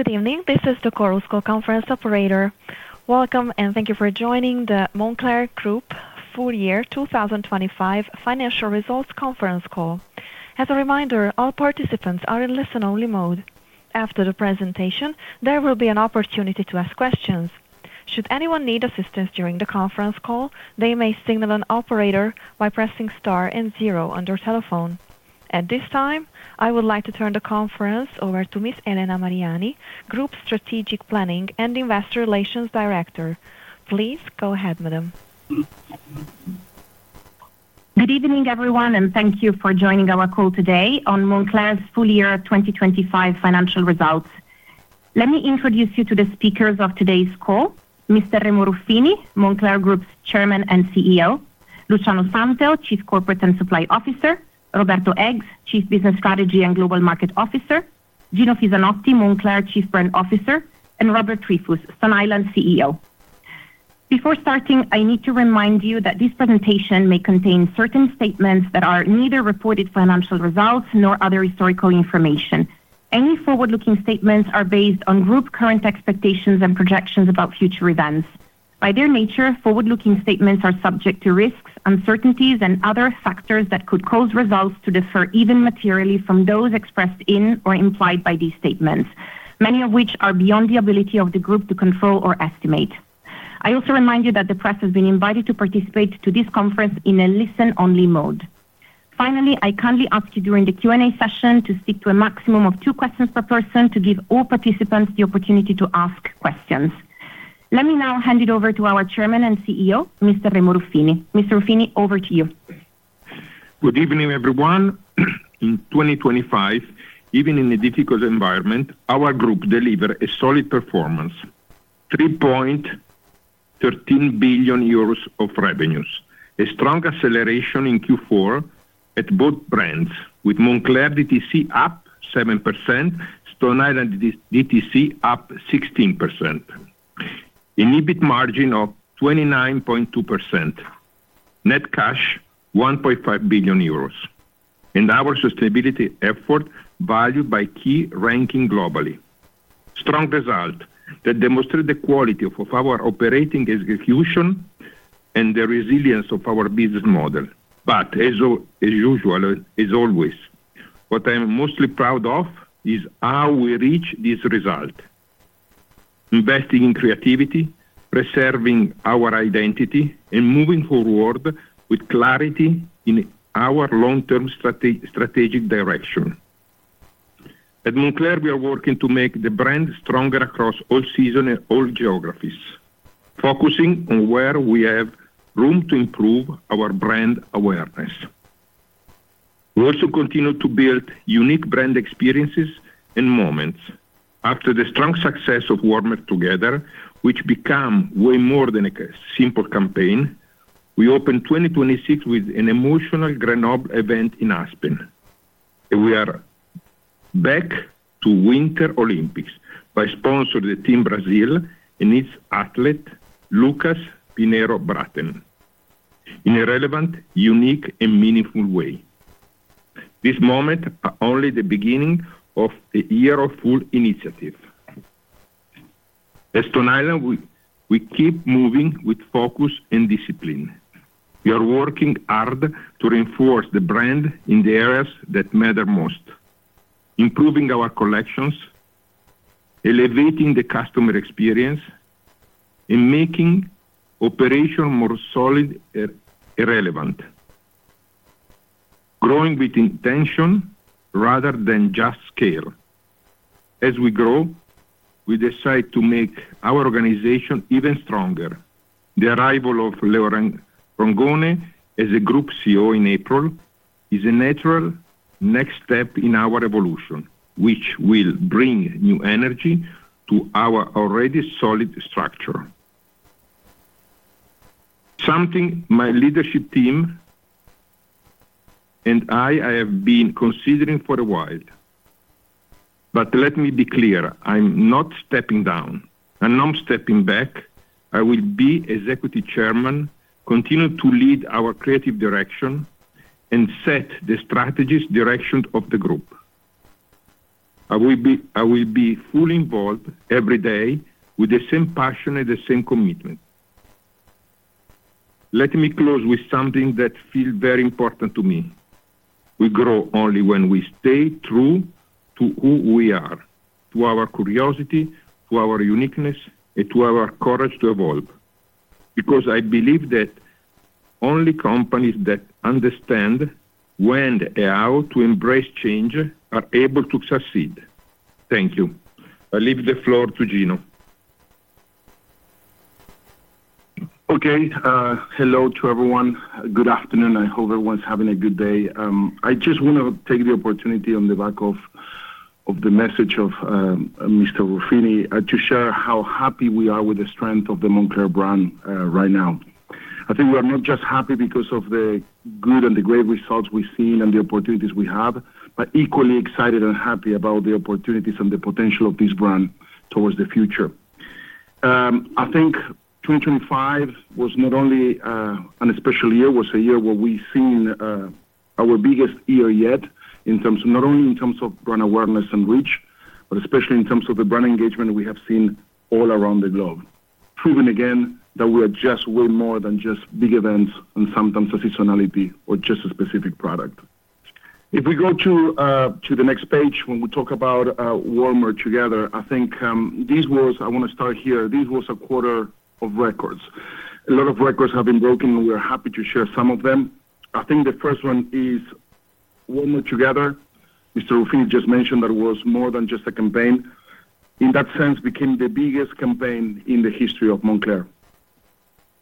Good evening. This is the Chorus Call Conference Operator. Welcome, and thank you for joining the Moncler Group Full Year 2025 Financial Results Conference Call. As a reminder, all participants are in listen-only mode. After the presentation, there will be an opportunity to ask questions. Should anyone need assistance during the conference call, they may signal an operator by pressing star and zero on their telephone. At this time, I would like to turn the conference over to Ms. Elena Mariani, Group Strategic Planning and Investor Relations Director. Please go ahead, madam. Good evening, everyone, and thank you for joining our call today on Moncler's full year 2025 financial results. Let me introduce you to the speakers of today's call: Mr. Remo Ruffini, Moncler Group's Chairman and CEO, Luciano Santel, Chief Corporate and Supply Officer, Roberto Eggs, Chief Business Strategy and Global Market Officer, Gino Fisanotti, Moncler Chief Brand Officer, and Robert Triefus, Stone Island CEO. Before starting, I need to remind you that this presentation may contain certain statements that are neither reported financial results nor other historical information. Any forward-looking statements are based on Group's current expectations and projections about future events. By their nature, forward-looking statements are subject to risks, uncertainties, and other factors that could cause results to differ even materially from those expressed in or implied by these statements, many of which are beyond the ability of the group to control or estimate. I also remind you that the press has been invited to participate to this conference in a listen-only mode. Finally, I kindly ask you, during the Q&A session, to stick to a maximum of two questions per person to give all participants the opportunity to ask questions. Let me now hand it over to our Chairman and CEO, Mr. Remo Ruffini. Mr. Ruffini, over to you. Good evening, everyone. In 2025, even in a difficult environment, our group delivered a solid performance, 3.13 billion euros of revenues. A strong acceleration in Q4 at both brands, with Moncler DTC up 7%, Stone Island DTC up 16%. An EBIT margin of 29.2%, net cash 1.5 billion euros, and our sustainability effort valued by key ranking globally. Strong result that demonstrate the quality of our operating execution and the resilience of our business model. But as usual, as always, what I'm mostly proud of is how we reach this result. Investing in creativity, preserving our identity, and moving forward with clarity in our long-term strategic direction. At Moncler, we are working to make the brand stronger across all season and all geographies, focusing on where we have room to improve our brand awareness. We also continue to build unique brand experiences and moments. After the strong success of Warmer Together, which become way more than a simple campaign, we opened 2026 with an emotional Grenoble event in Aspen, and we are back to Winter Olympics by sponsor the Team Brazil and its athlete, Lucas Pinheiro Braathen, in a relevant, unique, and meaningful way. This moment are only the beginning of a year of full initiative. At Stone Island, we keep moving with focus and discipline. We are working hard to reinforce the brand in the areas that matter most, improving our collections, elevating the customer experience, and making operation more solid and relevant, growing with intention rather than just scale. As we grow, we decide to make our organization even stronger. The arrival of Leo Rongone as Group CEO in April is a natural next step in our evolution, which will bring new energy to our already solid structure. Something my leadership team and I have been considering for a while. But let me be clear, I'm not stepping down, I'm not stepping back. I will be Executive Chairman, continue to lead our creative direction and set the strategies direction of the group. I will be, I will be fully involved every day with the same passion and the same commitment. Let me close with something that feels very important to me. We grow only when we stay true to who we are, to our curiosity, to our uniqueness, and to our courage to evolve, because I believe that only companies that understand when and how to embrace change are able to succeed. Thank you. I leave the floor to Gino. Okay, hello to everyone. Good afternoon, I hope everyone's having a good day. I just want to take the opportunity on the back of the message of Mr. Ruffini to share how happy we are with the strength of the Moncler brand right now. I think we are not just happy because of the good and the great results we've seen and the opportunities we have, but equally excited and happy about the opportunities and the potential of this brand towards the future. I think 2025 was not only a special year, it was a year where we've seen our biggest year yet in terms of not only brand awareness and reach, but especially in terms of the brand engagement we have seen all around the globe. Proving again that we are just way more than just big events and sometimes a seasonality or just a specific product. If we go to the next page, when we talk about Warmer Together, I think this was—I wanna start here. This was a quarter of records. A lot of records have been broken, and we are happy to share some of them. I think the first one is Warmer Together. Mr. Ruffini just mentioned that it was more than just a campaign. In that sense, became the biggest campaign in the history of Moncler.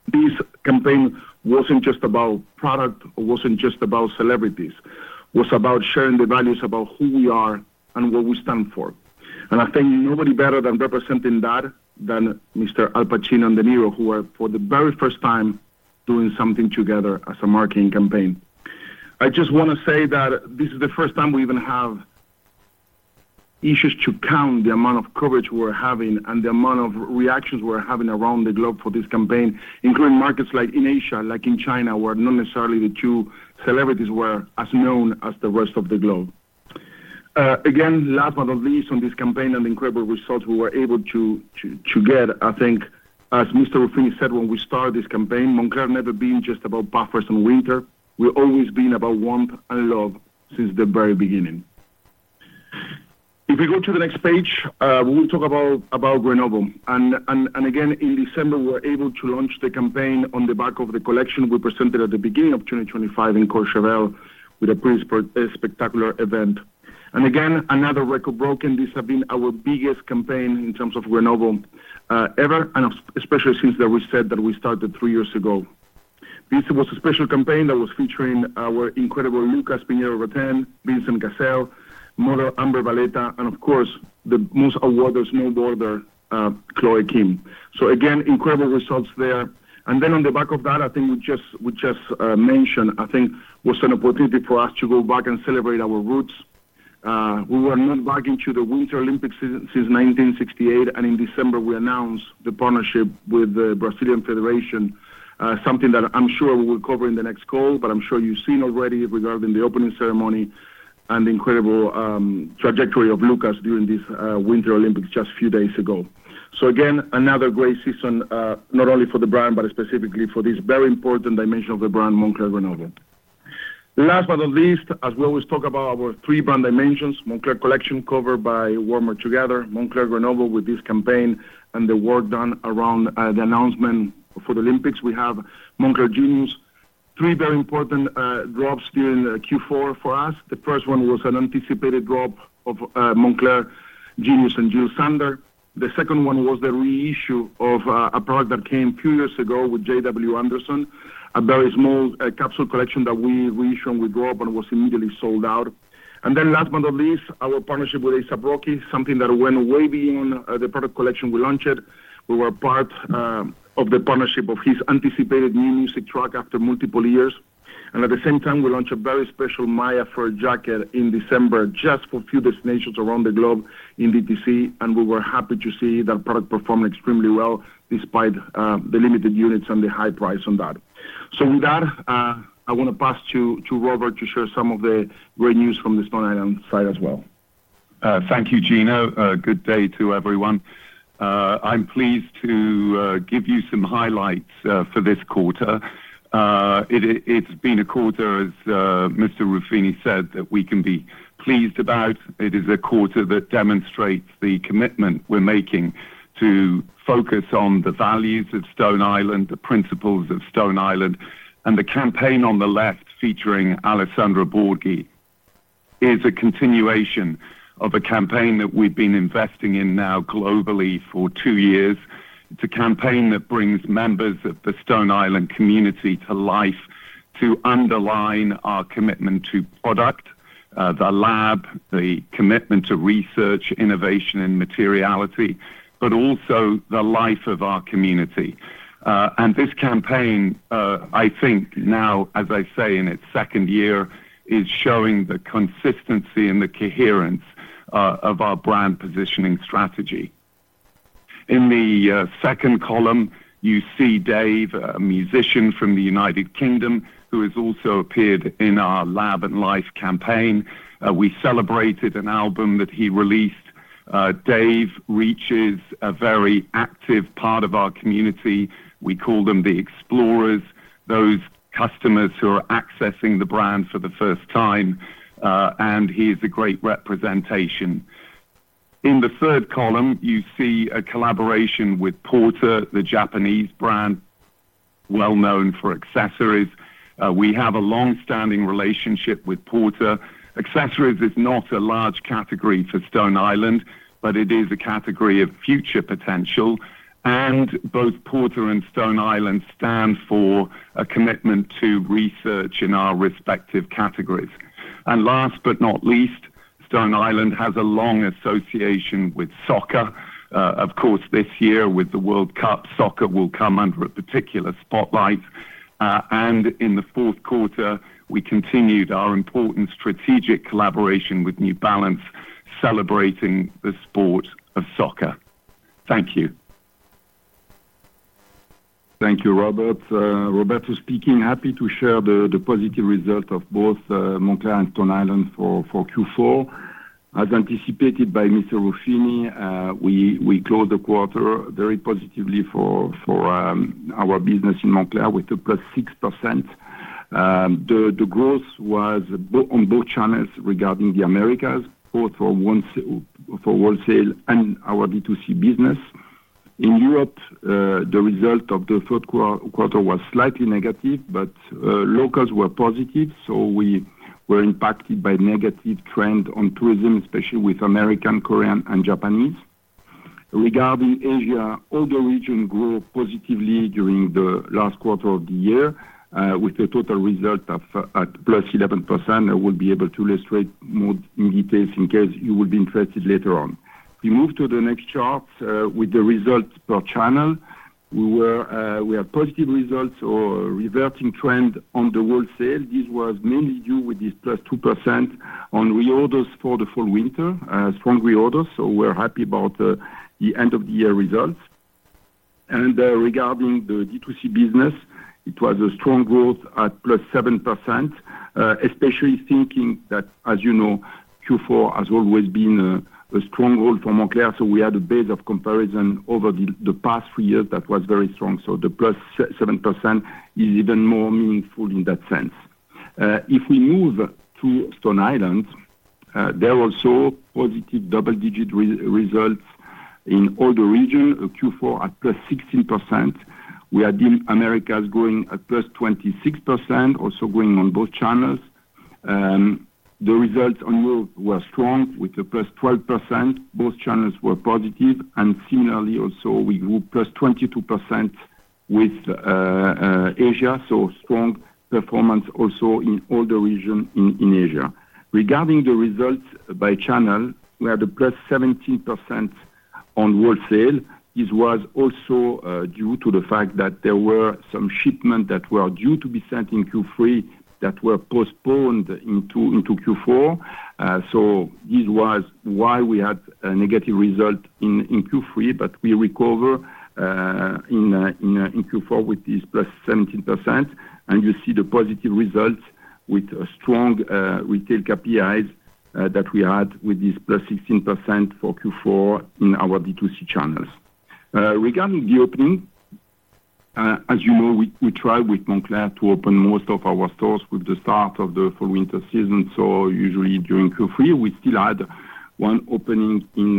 This campaign wasn't just about product, it wasn't just about celebrities. It was about sharing the values about who we are and what we stand for. And I think nobody better than representing that than Mr. Al Pacino and De Niro, who are, for the very first time, doing something together as a marketing campaign. I just wanna say that this is the first time we even have issues to count the amount of coverage we're having and the amount of reactions we're having around the globe for this campaign, including markets like in Asia, like in China, where not necessarily the two celebrities were as known as the rest of the globe. Again, last but not least, on this campaign and the incredible results we were able to get, I think, as Mr. Ruffini said, when we started this campaign, Moncler never been just about puffers and winter. We've always been about warmth and love since the very beginning. If we go to the next page, we will talk about Grenoble. Again, in December, we were able to launch the campaign on the back of the collection we presented at the beginning of 2025 in Courchevel, with a pretty spectacular event. Again, another record broken. This have been our biggest campaign in terms of Grenoble ever, and especially since that we said that we started three years ago. This was a special campaign that was featuring our incredible Lucas Pinheiro Braathen, Vincent Cassel, model Amber Valletta, and of course, the most awarded snowboarder, Chloe Kim. So again, incredible results there. And then on the back of that, I think we just mentioned, I think was an opportunity for us to go back and celebrate our roots. We were not back into the Winter Olympics since 1968, and in December, we announced the partnership with the Brazilian Federation. Something that I'm sure we will cover in the next call, but I'm sure you've seen already regarding the opening ceremony and the incredible trajectory of Lucas during this Winter Olympics just a few days ago. So again, another great season, not only for the brand, but specifically for this very important dimension of the brand, Moncler Grenoble. Last but not least, as we always talk about our three brand dimensions, Moncler Collection covered by Warmer Together, Moncler Grenoble with this campaign and the work done around the announcement for the Olympics. We have Moncler Genius, three very important drops during Q4 for us. The first one was an anticipated drop of Moncler Genius and Jil Sander. The second one was the reissue of a product that came two years ago with JW Anderson, a very small capsule collection that we reissued and we grew up and was immediately sold out. And then last but not least, our partnership with A$AP Rocky, something that went way beyond the product collection we launched. We were part of the partnership of his anticipated new music track after multiple years. And at the same time, we launched a very special Maya fur jacket in December, just for a few destinations around the globe in DTC, and we were happy to see that product perform extremely well, despite the limited units and the high price on that. So with that, I wanna pass to Robert to share some of the great news from the Stone Island side as well. Thank you, Gino. Good day to everyone. I'm pleased to give you some highlights for this quarter. It's been a quarter, as Mr. Ruffini said, that we can be pleased about. It is a quarter that demonstrates the commitment we're making to focus on the values of Stone Island, the principles of Stone Island, and the campaign on the left, featuring Alessandro Borghi, is a continuation of a campaign that we've been investing in now globally for two years. It's a campaign that brings members of the Stone Island community to life to underline our commitment to product, the lab, the commitment to research, innovation, and materiality, but also the life of our community. And this campaign, I think now, as I say, in its second year, is showing the consistency and the coherence of our brand positioning strategy. In the second column, you see Dave, a musician from the United Kingdom, who has also appeared in our Lab and Life campaign. We celebrated an album that he released. Dave reaches a very active part of our community. We call them the explorers, those customers who are accessing the brand for the first time, and he is a great representation. In the third column, you see a collaboration with Porter, the Japanese brand, well known for accessories. We have a long-standing relationship with Porter. Accessories is not a large category for Stone Island, but it is a category of future potential, and both Porter and Stone Island stand for a commitment to research in our respective categories. And last but not least, Stone Island has a long association with soccer. Of course, this year with the World Cup, soccer will come under a particular spotlight.... In the fourth quarter, we continued our important strategic collaboration with New Balance, celebrating the sport of soccer. Thank you. Thank you, Robert. Roberto speaking. Happy to share the positive result of both Moncler and Stone Island for Q4. As anticipated by Mr. Ruffini, we closed the quarter very positively for our business in Moncler. We took plus 6%. The growth was on both channels regarding the Americas, both wholesale and our B2C business. In Europe, the result of the third quarter was slightly negative, but locals were positive, so we were impacted by negative trend on tourism, especially with American, Korean and Japanese. Regarding Asia, all the region grew positively during the last quarter of the year, with a total result of plus 11%. I will be able to illustrate more in detail in case you will be interested later on. We move to the next chart with the results per channel. We were, we had positive results or reverting trend on the wholesale. This was mainly due with this +2% on reorders for the Fall/Winter, strong reorders, so we're happy about the end of the year results. And, regarding the B2C business, it was a strong growth at +7%, especially thinking that, as you know, Q4 has always been a strong hold for Moncler, so we had a base of comparison over the past three years that was very strong. So the +7% is even more meaningful in that sense. If we move to Stone Island, there also positive double-digit results in all the region, Q4 at +16%. We had the Americas growing at +26%, also growing on both channels. The results worldwide were strong with a +12%. Both channels were positive, and similarly, also, we grew +22% with Asia, so strong performance also in all the region in Asia. Regarding the results by channel, we had a +17% on wholesale. This was also due to the fact that there were some shipment that were due to be sent in Q3, that were postponed into Q4. So this was why we had a negative result in Q3, but we recover in Q4 with this +17%. And you see the positive results with a strong retail KPIs that we had with this +16% for Q4 in our B2C channels. Regarding the opening, as you know, we try with Moncler to open most of our stores with the start of the Fall/Winter season, so usually during Q3, we still had one opening in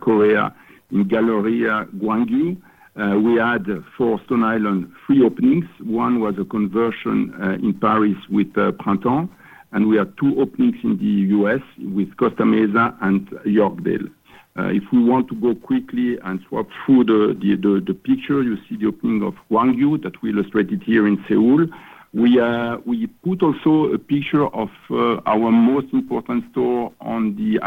Korea, in Galleria Gwanggyo. We had for Stone Island three openings. One was a conversion in Paris with Printemps, and we had two openings in the U.S. with Costa Mesa and Yorkdale. If we want to go quickly and swap through the picture, you see the opening of Gwangju that we illustrated here in Seoul. We put also a picture of our most important store on the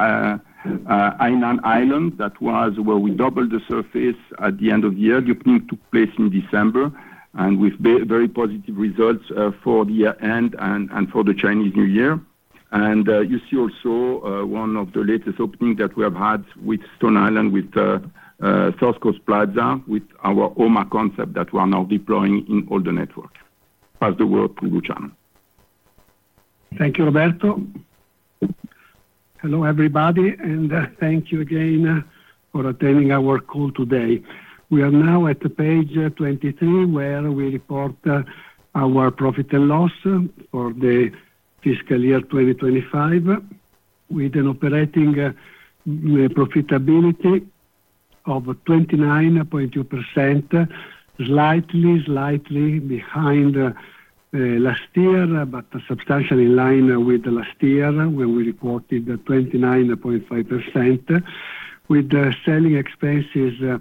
Hainan Island. That was where we doubled the surface at the end of the year, opening took place in December, and with very positive results for the end and for the Chinese New Year. You see also one of the latest openings that we have had with Stone Island, with South Coast Plaza, with our OMA concept that we are now deploying in all the network. Pass the word to Luciano. Thank you, Roberto. Hello, everybody, and thank you again for attending our call today. We are now at page 23, where we report our profit and loss for the fiscal year 2025, with an operating profitability of 29.2%, slightly, slightly behind last year, but substantially in line with last year, when we reported 29.5%, with selling expenses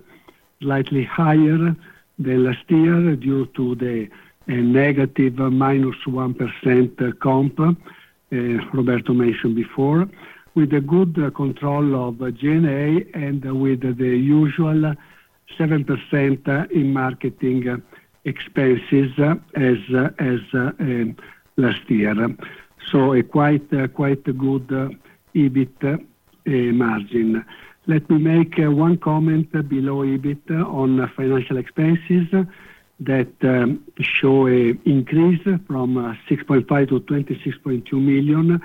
slightly higher than last year, due to the negative -1% comp Roberto mentioned before. With a good control of G&A and with the usual 7% in marketing expenses as last year. So a quite good EBIT margin. Let me make one comment below EBIT on financial expenses, that show a increase from 6.5 million-26.2 million,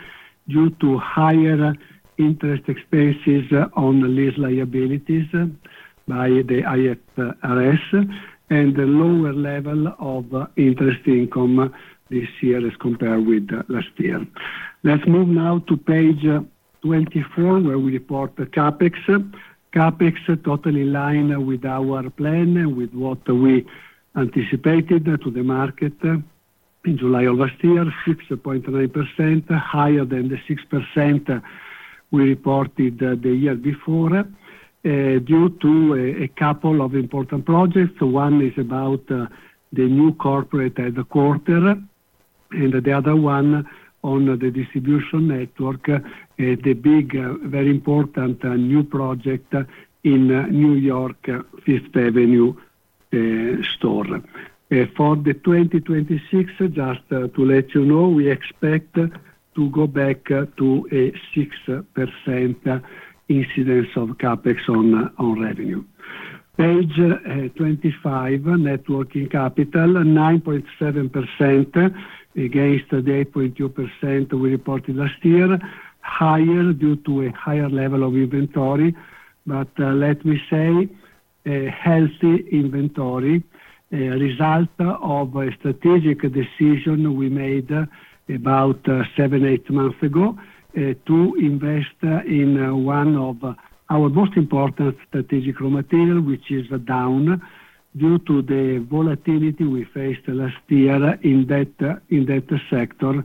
due to higher interest expenses on the lease liabilities by the IFRS and the lower level of interest income this year as compared with last year. Let's move now to page 24, where we report the CapEx. CapEx totally in line with our plan, with what we anticipated to the market in July of last year, 6.9%, higher than the 6% we reported the year before, due to a couple of important projects. One is about the new corporate headquarters and the other one on the distribution network, the big, very important, new project in New York, Fifth Avenue, store. For the 2026, just to let you know, we expect to go back to a 6% incidence of CapEx on revenue. Page 25, net working capital, 9.7% against the 8.2% we reported last year. Higher due to a higher level of inventory, but let me say, a healthy inventory, a result of a strategic decision we made about 7-8 months ago to invest in one of our most important strategic raw material, which is down due to the volatility we faced last year in that sector.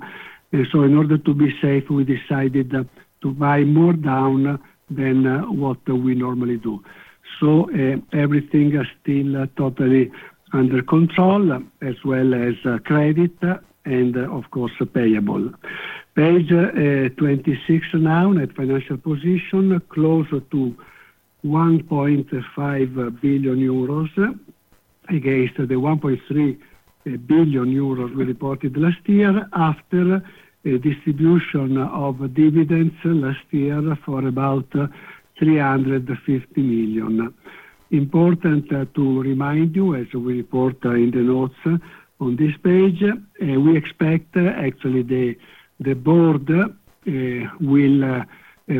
And so in order to be safe, we decided to buy more down than what we normally do. So, everything is still totally under control, as well as credit, and of course, payables. Page 26 now, net financial position, closer to 1.5 billion euros, against the 1.3 billion euros we reported last year, after a distribution of dividends last year for about 350 million. Important to remind you, as we report in the notes on this page, we expect actually the board will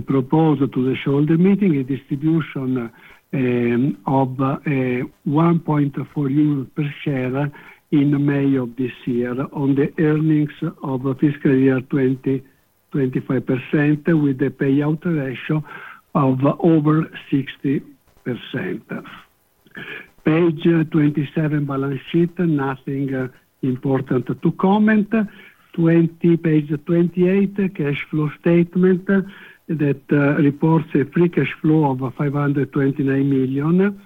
propose to the shareholder meeting a distribution of 1.4 euros per share in May of this year on the earnings of fiscal year 2025 25%, with the payout ratio of over 60%. Page 27, balance sheet, nothing important to comment. Page 28, cash flow statement, that reports a free cash flow of 529 million,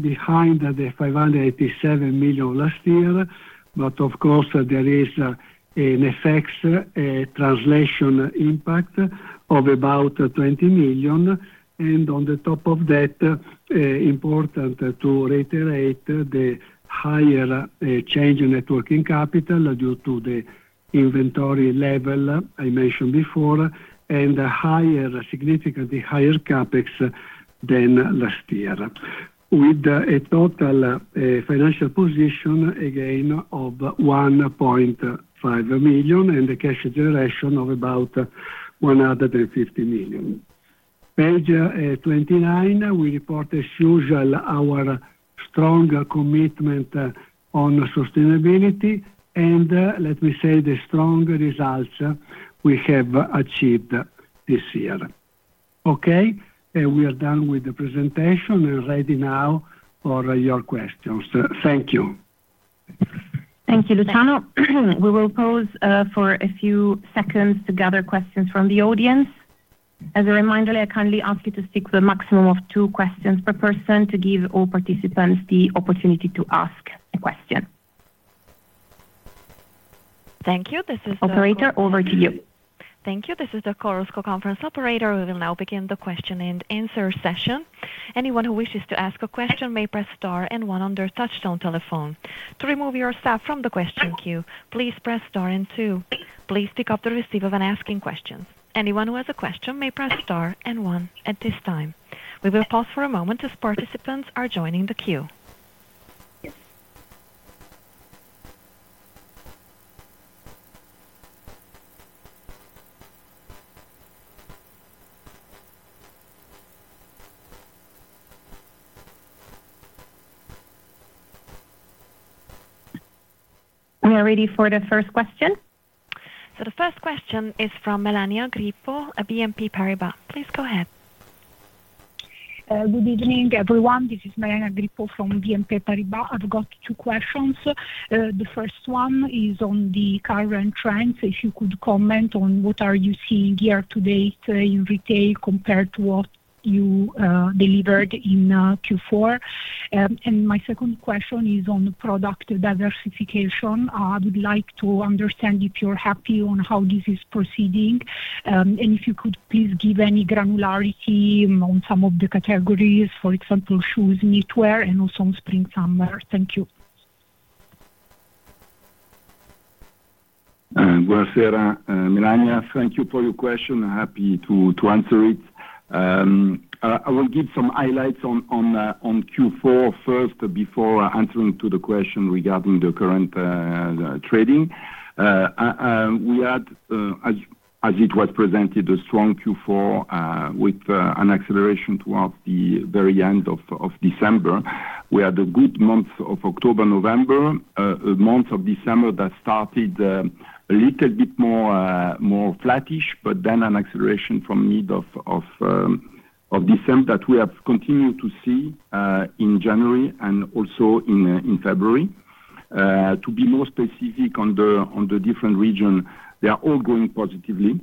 behind the 587 million last year. But of course, there is an FX translation impact of about 20 million. And on top of that, important to reiterate the higher change in net working capital due to the inventory level I mentioned before, and higher, significantly higher CapEx than last year. With a total financial position, again, of 1.5 million and the cash generation of about 150 million. Page 29, we report as usual our strong commitment on sustainability, and let me say, the strong results we have achieved this year. Okay, and we are done with the presentation. We're ready now for your questions. Thank you. Thank you, Luciano. We will pause for a few seconds to gather questions from the audience. As a reminder, I kindly ask you to stick with a maximum of two questions per person, to give all participants the opportunity to ask a question. Thank you. This is- Operator, over to you. Thank you. This is the Chorus Call conference operator. We will now begin the question and answer session. Anyone who wishes to ask a question may press star and one on their touchtone telephone. To remove yourself from the question queue, please press star and two. Please pick up the receiver when asking a question. Anyone who has a question may press star and one at this time. We will pause for a moment as participants are joining the queue. We are ready for the first question. The first question is from Melania Grippo at BNP Paribas. Please go ahead. Good evening, everyone. This is Melania Grippo from BNP Paribas. I've got two questions. The first one is on the current trends, if you could comment on what are you seeing year to date in retail compared to what you delivered in Q4? My second question is on product diversification. I would like to understand if you're happy on how this is proceeding. If you could please give any granularity on some of the categories, for example, shoes, knitwear, and also on spring, summer. Thank you. Buonasera, Melania, thank you for your question. Happy to answer it. I will give some highlights on Q4 first, before answering the question regarding the current trading. We had, as it was presented, a strong Q4, with an acceleration towards the very end of December. We had a good month of October, November. Month of December that started a little bit more flattish, but then an acceleration from mid of December that we have continued to see in January and also in February. To be more specific on the different region, they are all going positively....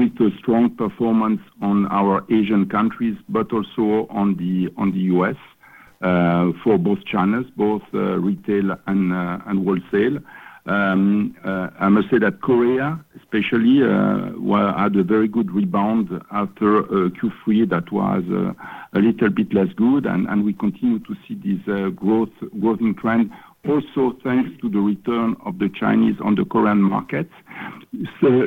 with a strong performance on our Asian countries, but also on the US, for both channels, both retail and wholesale. I must say that Korea, especially, had a very good rebound after Q3 that was a little bit less good, and we continue to see this growing trend also thanks to the return of the Chinese on the Korean market. So,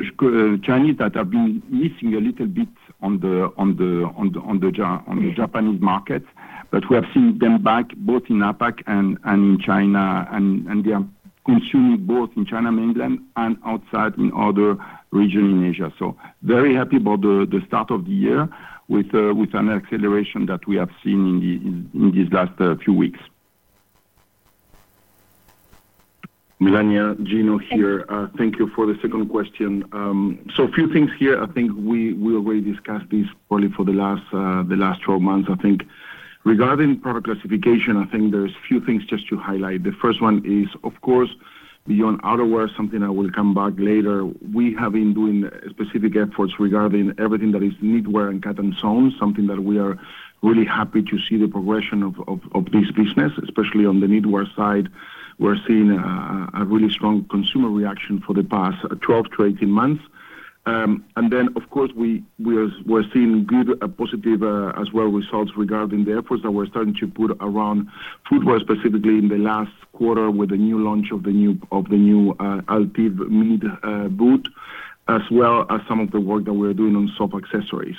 Chinese that have been missing a little bit on the Japanese market, but we have seen them back both in APAC and in China. And they are consuming both in mainland and outside in other regions in Asia. So very happy about the start of the year with an acceleration that we have seen in these last few weeks. Melania, Gino here. Thank you for the second question. So a few things here. I think we, we already discussed this probably for the last, the last 12 months. I think regarding product classification, I think there's a few things just to highlight. The first one is, of course, beyond outerwear, something I will come back later. We have been doing specific efforts regarding everything that is knitwear and cut and sewn, something that we are really happy to see the progression of, of, of this business, especially on the knitwear side. We're seeing, a really strong consumer reaction for the past 12 to 18 months. And then, of course, we're seeing good, positive, as well, results regarding the efforts that we're starting to put around footwear, specifically in the last quarter, with the new launch of the new Altive mid boot, as well as some of the work that we're doing on soft accessories.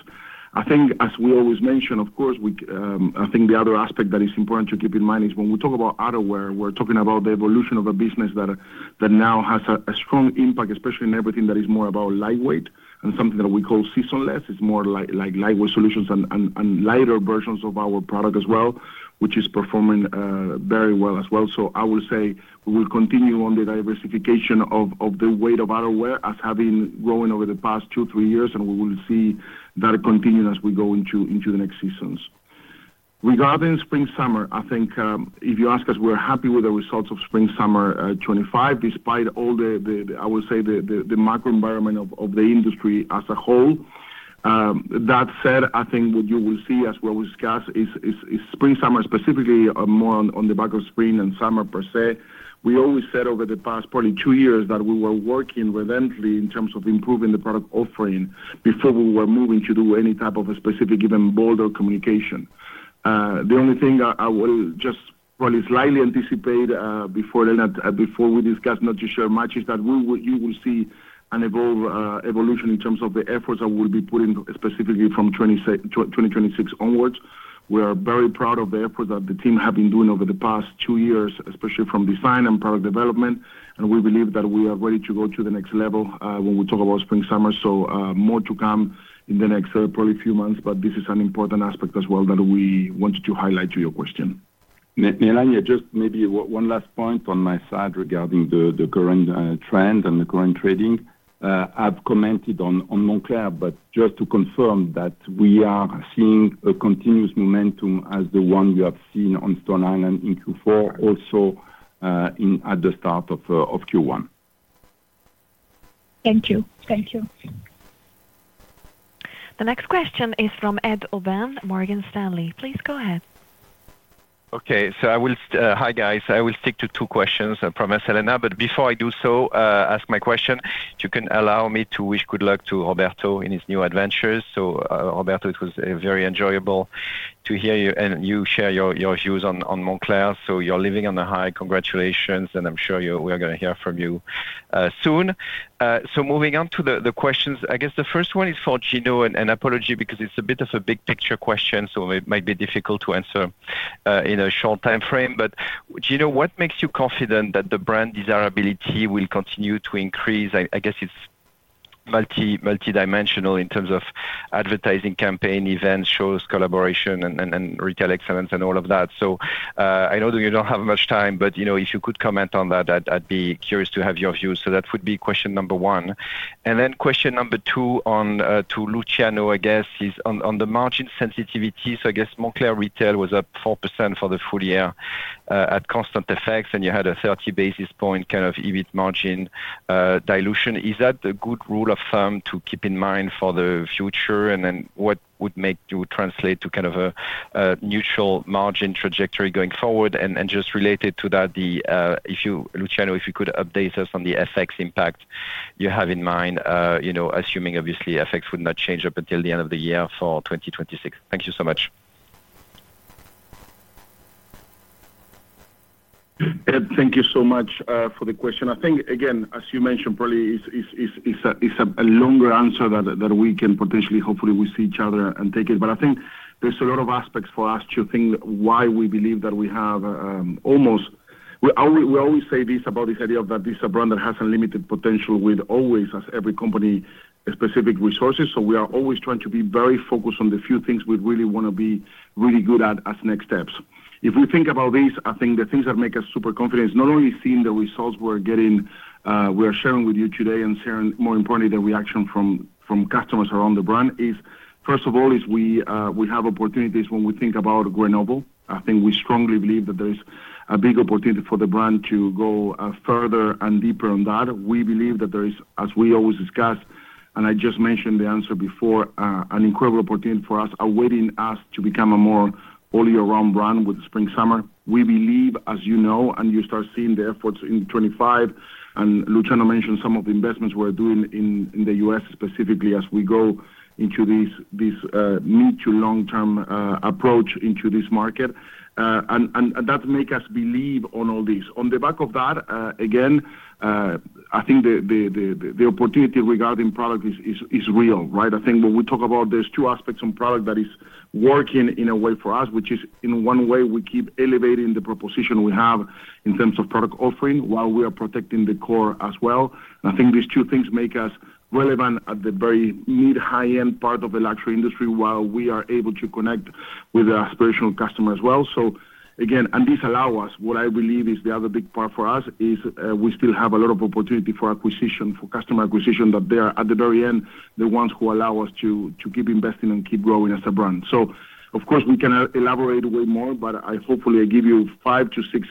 I think as we always mention, of course, we. I think the other aspect that is important to keep in mind is when we talk about outerwear, we're talking about the evolution of a business that now has a strong impact, especially in everything that is more about lightweight and something that we call seasonless. It's more like lightweight solutions and lighter versions of our product as well, which is performing very well as well. So I will say we will continue on the diversification of the weight of outerwear, as has been growing over the past two-three years, and we will see that continue as we go into the next seasons. Regarding spring-summer, I think if you ask us, we're happy with the results of Spring/Summer 2025, despite all the macro environment of the industry as a whole. That said, I think what you will see, as we discussed, is Spring/Summer, specifically, more on the back of spring and summer per se. We always said over the past probably two years, that we were working relentlessly in terms of improving the product offering before we were moving to do any type of a specific, even bolder communication. The only thing I will just probably slightly anticipate before then, before we discuss not to share much, is that you will see an evolution in terms of the efforts that we'll be putting specifically from 2026 onwards. We are very proud of the effort that the team have been doing over the past two years, especially from design and product development, and we believe that we are ready to go to the next level when we talk about Spring/Summer. So, more to come in the next probably few months, but this is an important aspect as well that we wanted to highlight to your question. Melania, just maybe one last point on my side regarding the current trends and the current trading. I've commented on Moncler, but just to confirm that we are seeing a continuous momentum as the one we have seen on Stone Island in Q4, also in at the start of Q1. Thank you. Thank you. The next question is from Ed Aubin, Morgan Stanley. Please go ahead. Okay, so I will... Hi, guys. I will stick to two questions, I promise, Elena. But before I do so, ask my question, you can allow me to wish good luck to Roberto in his new adventures. So, Roberto, it was very enjoyable to hear you, and you share your views on Moncler. So you're living on the high. Congratulations, and I'm sure you- we are going to hear from you soon. So moving on to the questions. I guess the first one is for Gino, and an apology, because it's a bit of a big picture question, so it might be difficult to answer in a short time frame. But Gino, what makes you confident that the brand desirability will continue to increase? I guess it's multidimensional in terms of advertising, campaign events, shows, collaboration and retail excellence and all of that. So, I know that you don't have much time, but, you know, if you could comment on that, I'd be curious to have your views. So that would be question number one. And then question number two on, to Luciano, I guess, is on the margin sensitivity. So I guess Moncler retail was up 4% for the full year at constant FX, and you had a 30 basis point, kind of, EBIT margin dilution. Is that a good rule of thumb to keep in mind for the future? And then what would make you translate to kind of a neutral margin trajectory going forward? And just related to that, the, if you... Luciano, if you could update us on the FX impact you have in mind, you know, assuming obviously FX would not change up until the end of the year for 2026. Thank you so much. Ed, thank you so much for the question. I think, again, as you mentioned, probably it's a longer answer that we can potentially hopefully we see each other and take it. But I think there's a lot of aspects for us to think why we believe that we have almost. We always say this about this idea of that this is a brand that has unlimited potential with always, as every company, specific resources. So we are always trying to be very focused on the few things we'd really want to be really good at, as next steps. If we think about this, I think the things that make us super confident is not only seeing the results we're getting, we are sharing with you today and sharing, more importantly, the reaction from customers around the brand is, first of all, we have opportunities when we think about Grenoble. I think we strongly believe that there is a big opportunity for the brand to go further and deeper on that. We believe that there is, as we always discuss. And I just mentioned the answer before, an incredible opportunity for us, awaiting us to become a more all year round brand with spring, summer. We believe, as you know, and you start seeing the efforts in 2025, and Luciano mentioned some of the investments we're doing in the US specifically as we go into these mid to long-term approach into this market. And that make us believe on all this. On the back of that, again, I think the opportunity regarding product is real, right? I think when we talk about there's two aspects on product that is working in a way for us, which is in one way we keep elevating the proposition we have in terms of product offering while we are protecting the core as well. And I think these two things make us relevant at the very mid, high-end part of the luxury industry, while we are able to connect with our aspirational customer as well. So again, and this allow us, what I believe is the other big part for us is, we still have a lot of opportunity for acquisition, for customer acquisition, that they are, at the very end, the ones who allow us to, to keep investing and keep growing as a brand. So of course, we can elaborate way more, but I hopefully I give you five-six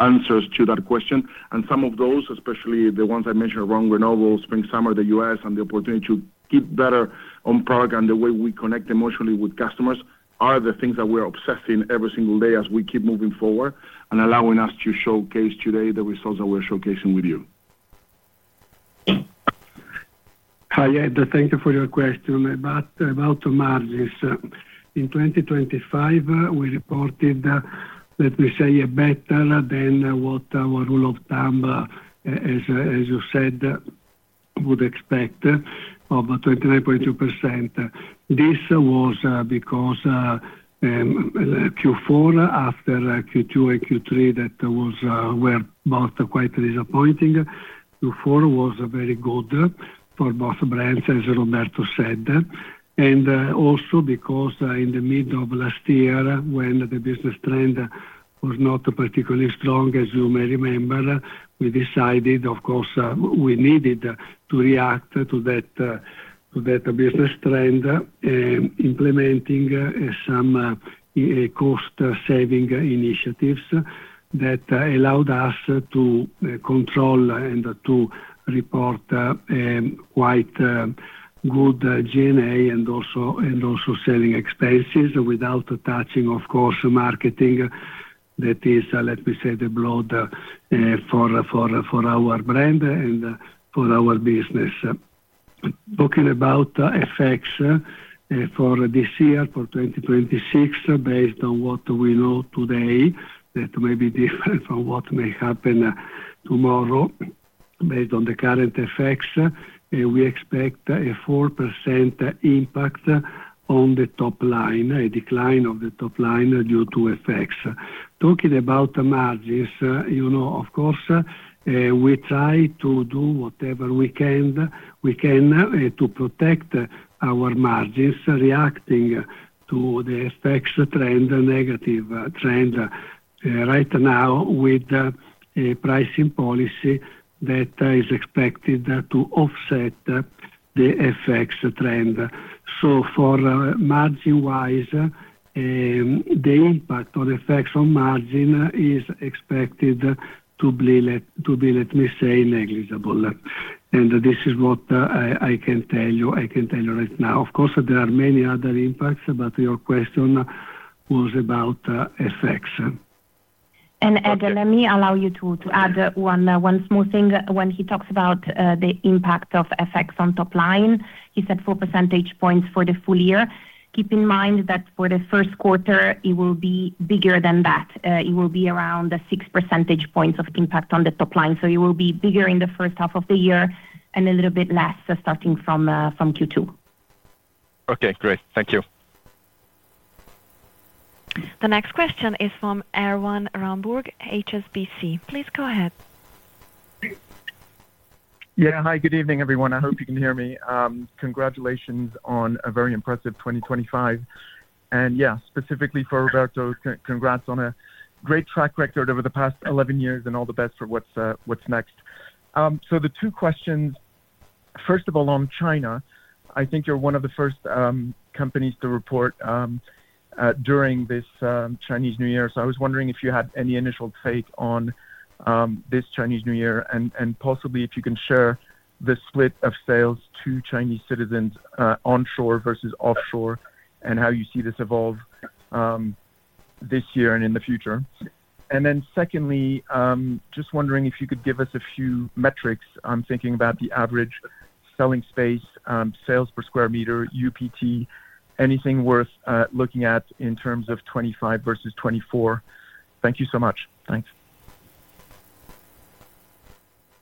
answers to that question. And some of those, especially the ones I mentioned around Grenoble, spring, summer, the US, and the opportunity to keep better on product and the way we connect emotionally with customers, are the things that we're obsessing every single day as we keep moving forward, and allowing us to showcase today the results that we're showcasing with you. Hi, Ed, thank you for your question. About margins. In 2025, we reported, let me say, better than what our rule of thumb, as you said, would expect of a 29.2%. This was because Q4, after Q2 and Q3 that were both quite disappointing. Q4 was very good for both brands, as Roberto said. And also because, in the middle of last year, when the business trend was not particularly strong, as you may remember, we decided, of course, we needed to react to that business trend, implementing some cost-saving initiatives that allowed us to control and to report quite good G&A and also selling expenses without touching, of course, marketing. That is, let me say, the blood for our brand and for our business. Talking about the effects for this year, for 2026, based on what we know today, that may be different from what may happen tomorrow. Based on the current effects, we expect a 4% impact on the top line, a decline of the top line due to effects. Talking about the margins, you know, of course, we try to do whatever we can to protect our margins, reacting to the effects trend, the negative trend right now with the pricing policy that is expected to offset the effects trend. So for margin-wise, the impact or effects on margin is expected to be, let me say, negligible. This is what I can tell you, I can tell you right now. Of course, there are many other impacts, but your question was about effects. Ed, let me allow you to add one small thing. When he talks about the impact of effects on top line, he said 4 percentage points for the full year. Keep in mind that for the first quarter, it will be bigger than that. It will be around the 6 percentage points of impact on the top line. So it will be bigger in the first half of the year and a little bit less starting from Q2. Okay, great. Thank you. The next question is from Erwan Rambourg, HSBC. Please go ahead. Yeah. Hi, good evening, everyone. I hope you can hear me. Congratulations on a very impressive 2025. And yeah, specifically for Roberto, congrats on a great track record over the past 11 years, and all the best for what's next. So the two questions. First of all, on China, I think you're one of the first companies to report during this Chinese New Year. So I was wondering if you had any initial take on this Chinese New Year and possibly if you can share the split of sales to Chinese citizens, onshore versus offshore, and how you see this evolve this year and in the future. And then secondly, just wondering if you could give us a few metrics. I'm thinking about the average selling space, sales per square meter, UPT, anything worth looking at in terms of 25 versus 24? Thank you so much. Thanks.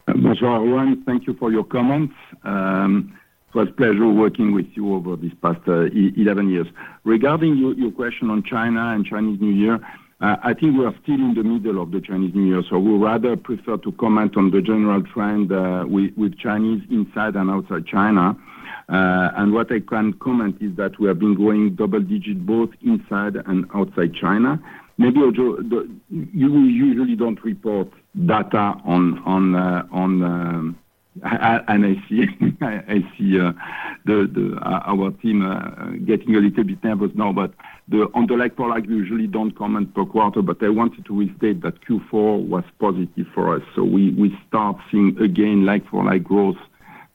Sure, Erwan. Thank you for your comments. It was a pleasure working with you over this past 11 years. Regarding your question on China and Chinese New Year, I think we are still in the middle of the Chinese New Year, so we'd rather prefer to comment on the general trend with Chinese inside and outside China. And what I can comment is that we have been growing double digits both inside and outside China. Maybe, Joe, the... You usually don't report data on. And I see, I see. our team getting a little bit nervous now, but on the like product, we usually don't comment per quarter, but I wanted to restate that Q4 was positive for us. So we start seeing again like-for-like growth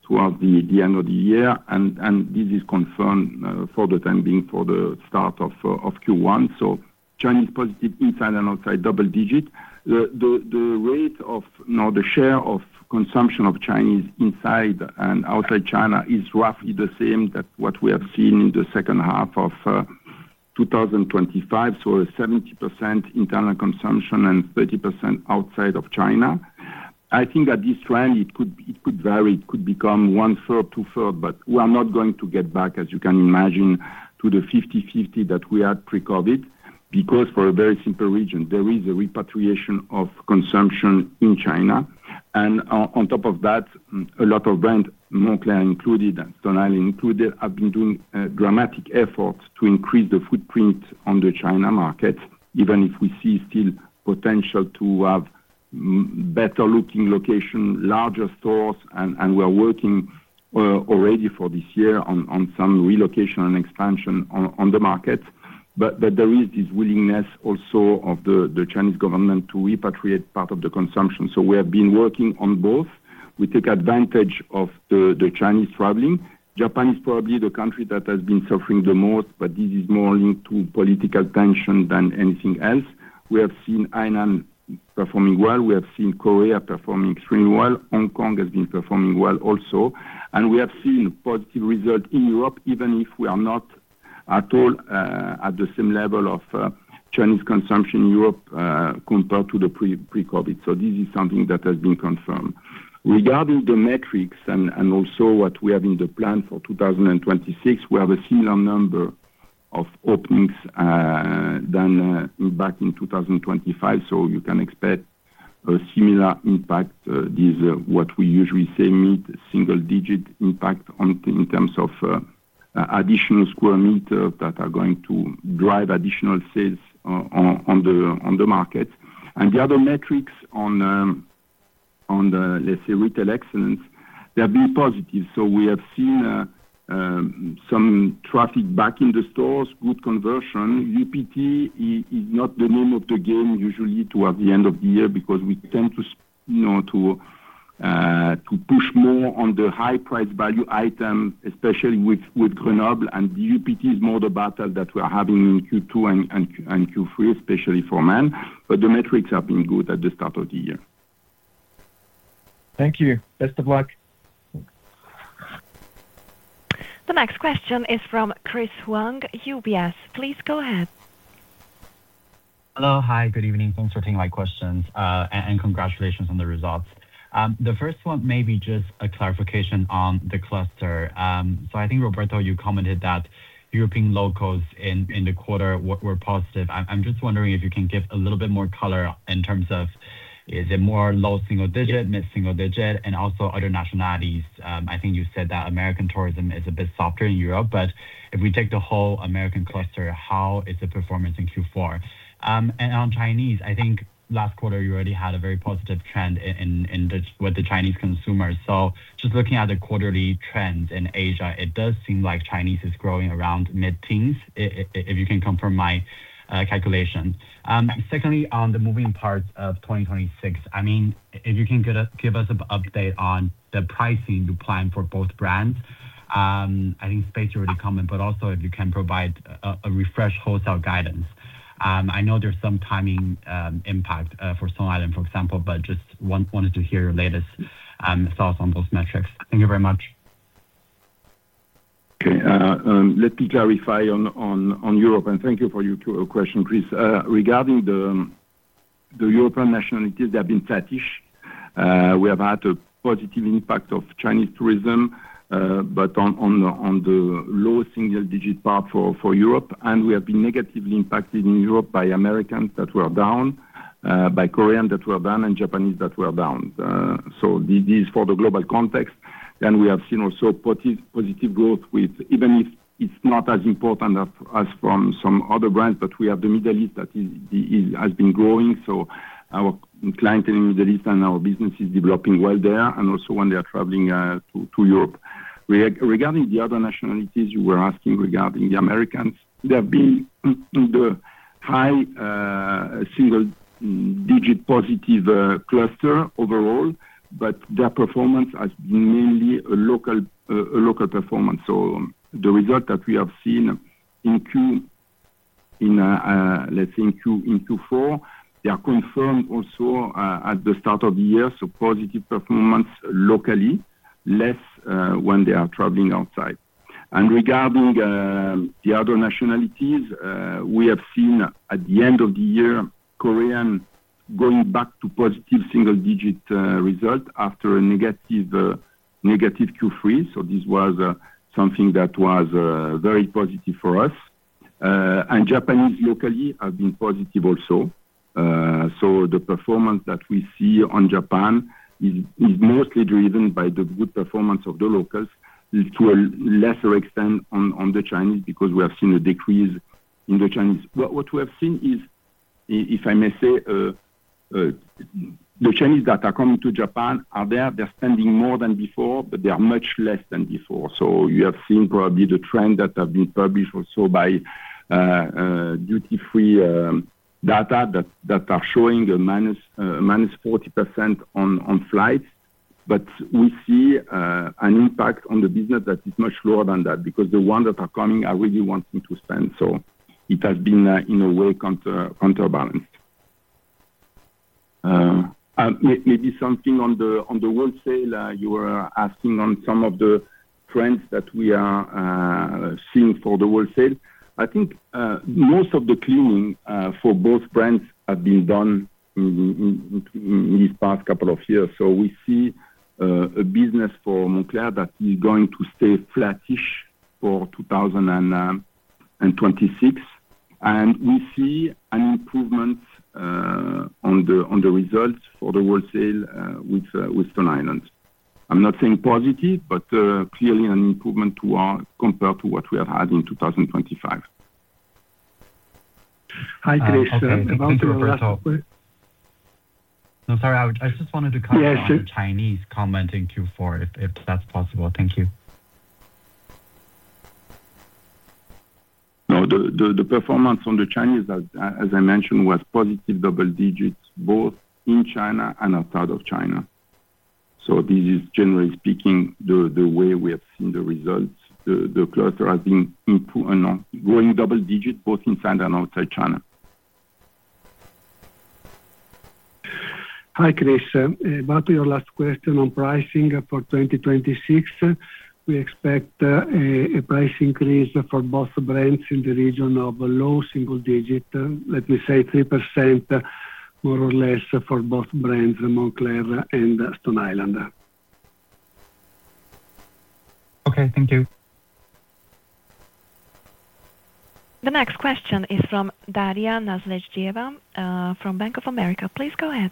towards the end of the year. And this is confirmed for the time being for the start of Q1. So Chinese positive inside and outside double digit. The rate of, you know, the share of consumption of Chinese inside and outside China is roughly the same that what we have seen in the second half of 2025. So 70% internal consumption and 30% outside of China. I think at this trend, it could vary, it could become 1/3, 2/3, but we are not going to get back, as you can imagine, to the 50/50 that we had pre-COVID, because for a very simple reason: there is a repatriation of consumption in China. And on top of that, a lot of brands, Moncler included and Stone Island included, have been doing dramatic efforts to increase the footprint on the China market, even if we see still potential to have better looking location, larger stores, and we are working already for this year on some relocation and expansion on the market. But there is this willingness also of the Chinese government to repatriate part of the consumption. So we have been working on both. We take advantage of the Chinese traveling. Japan is probably the country that has been suffering the most, but this is more linked to political tension than anything else. We have seen Taiwan performing well, we have seen Korea performing extremely well. Hong Kong has been performing well also, and we have seen positive results in Europe, even if we are not at all at the same level of Chinese consumption in Europe compared to the pre-COVID. So this is something that has been confirmed. Regarding the metrics and also what we have in the plan for 2026, we have a similar number of openings than back in 2025, so you can expect a similar impact. This is what we usually say, mid-single digit impact on, in terms of, additional square meter that are going to drive additional sales on the market. And the other metrics on the, let's say, retail excellence, they have been positive. So we have seen some traffic back in the stores, good conversion. UPT is not the name of the game, usually towards the end of the year, because we tend to, you know, to push more on the high price value item, especially with Grenoble, and UPT is more the battle that we are having in Q2 and Q3, especially for men. But the metrics have been good at the start of the year. Thank you. Best of luck. The next question is from Chris Huang, UBS. Please go ahead. Hello, hi, good evening. Thanks for taking my questions, and congratulations on the results. The first one may be just a clarification on the cluster. So I think, Roberto, you commented that European locals in the quarter were positive. I'm just wondering if you can give a little bit more color in terms of, is it more low single digit, mid-single digit, and also other nationalities. I think you said that American tourism is a bit softer in Europe, but if we take the whole American cluster, how is the performance in Q4? And on Chinese, I think last quarter you already had a very positive trend in with the Chinese consumers. So just looking at the quarterly trend in Asia, it does seem like Chinese is growing around mid-teens, if you can confirm my calculation. Secondly, on the moving parts of 2026, I mean, if you can give us an update on the pricing you plan for both brands. I think Space already commented, but also if you can provide a refreshed wholesale guidance. I know there's some timing impact for Stone Island, for example, but just wanted to hear your latest thoughts on those metrics. Thank you very much. Okay. Let me clarify on Europe, and thank you for your two question, Chris. Regarding the European nationalities, they have been flattish. We have had a positive impact of Chinese tourism, but on the low single digit part for Europe, and we have been negatively impacted in Europe by Americans that were down, by Korean that were down, and Japanese that were down. So this is for the global context. Then we have seen also positive growth with even if it's not as important as from some other brands, but we have the Middle East that is -- has been growing, so our client in the Middle East and our business is developing well there, and also when they are traveling to Europe. Regarding the other nationalities, you were asking regarding the Americans, they have been in the high single digit positive cluster overall, but their performance has been mainly a local performance. So the result that we have seen in Q4, they are confirmed also at the start of the year, so positive performance locally, less when they are traveling outside. And regarding the other nationalities, we have seen at the end of the year, Korean going back to positive single digit result after a negative Q3. So this was something that was very positive for us. And Japanese locally has been positive also. So the performance that we see on Japan is mostly driven by the good performance of the locals, to a lesser extent on the Chinese, because we have seen a decrease in the Chinese. But what we have seen is-... if I may say, the Chinese that are coming to Japan are there, they're spending more than before, but they are much less than before. So you have seen probably the trend that have been published also by duty-free data that are showing a minus 40% on flights. But we see an impact on the business that is much lower than that, because the ones that are coming are really wanting to spend. So it has been in a way counterbalanced. Maybe something on the wholesale, you were asking on some of the trends that we are seeing for the wholesale. I think most of the cleaning for both brands have been done in this past couple of years. We see a business for Moncler that is going to stay flattish for 2026. We see an improvement on the results for the wholesale with Stone Island. I'm not saying positive, but clearly an improvement compared to what we have had in 2025. Hi, Chris- Okay, thank you, Roberto. No, sorry, I just wanted to comment- Yes, sure. On the Chinese comment in Q4, if that's possible. Thank you. No, the performance on the Chinese, as I mentioned, was positive double digits, both in China and outside of China. So this is generally speaking, the way we have seen the results, the cluster has been growing double digit, both inside and outside China. Hi, Chris. Back to your last question on pricing for 2026, we expect a price increase for both brands in the region of a low single digit, let me say 3% more or less for both brands, Moncler and Stone Island. Okay, thank you. The next question is from Daria Nazaretyeva, from Bank of America. Please go ahead.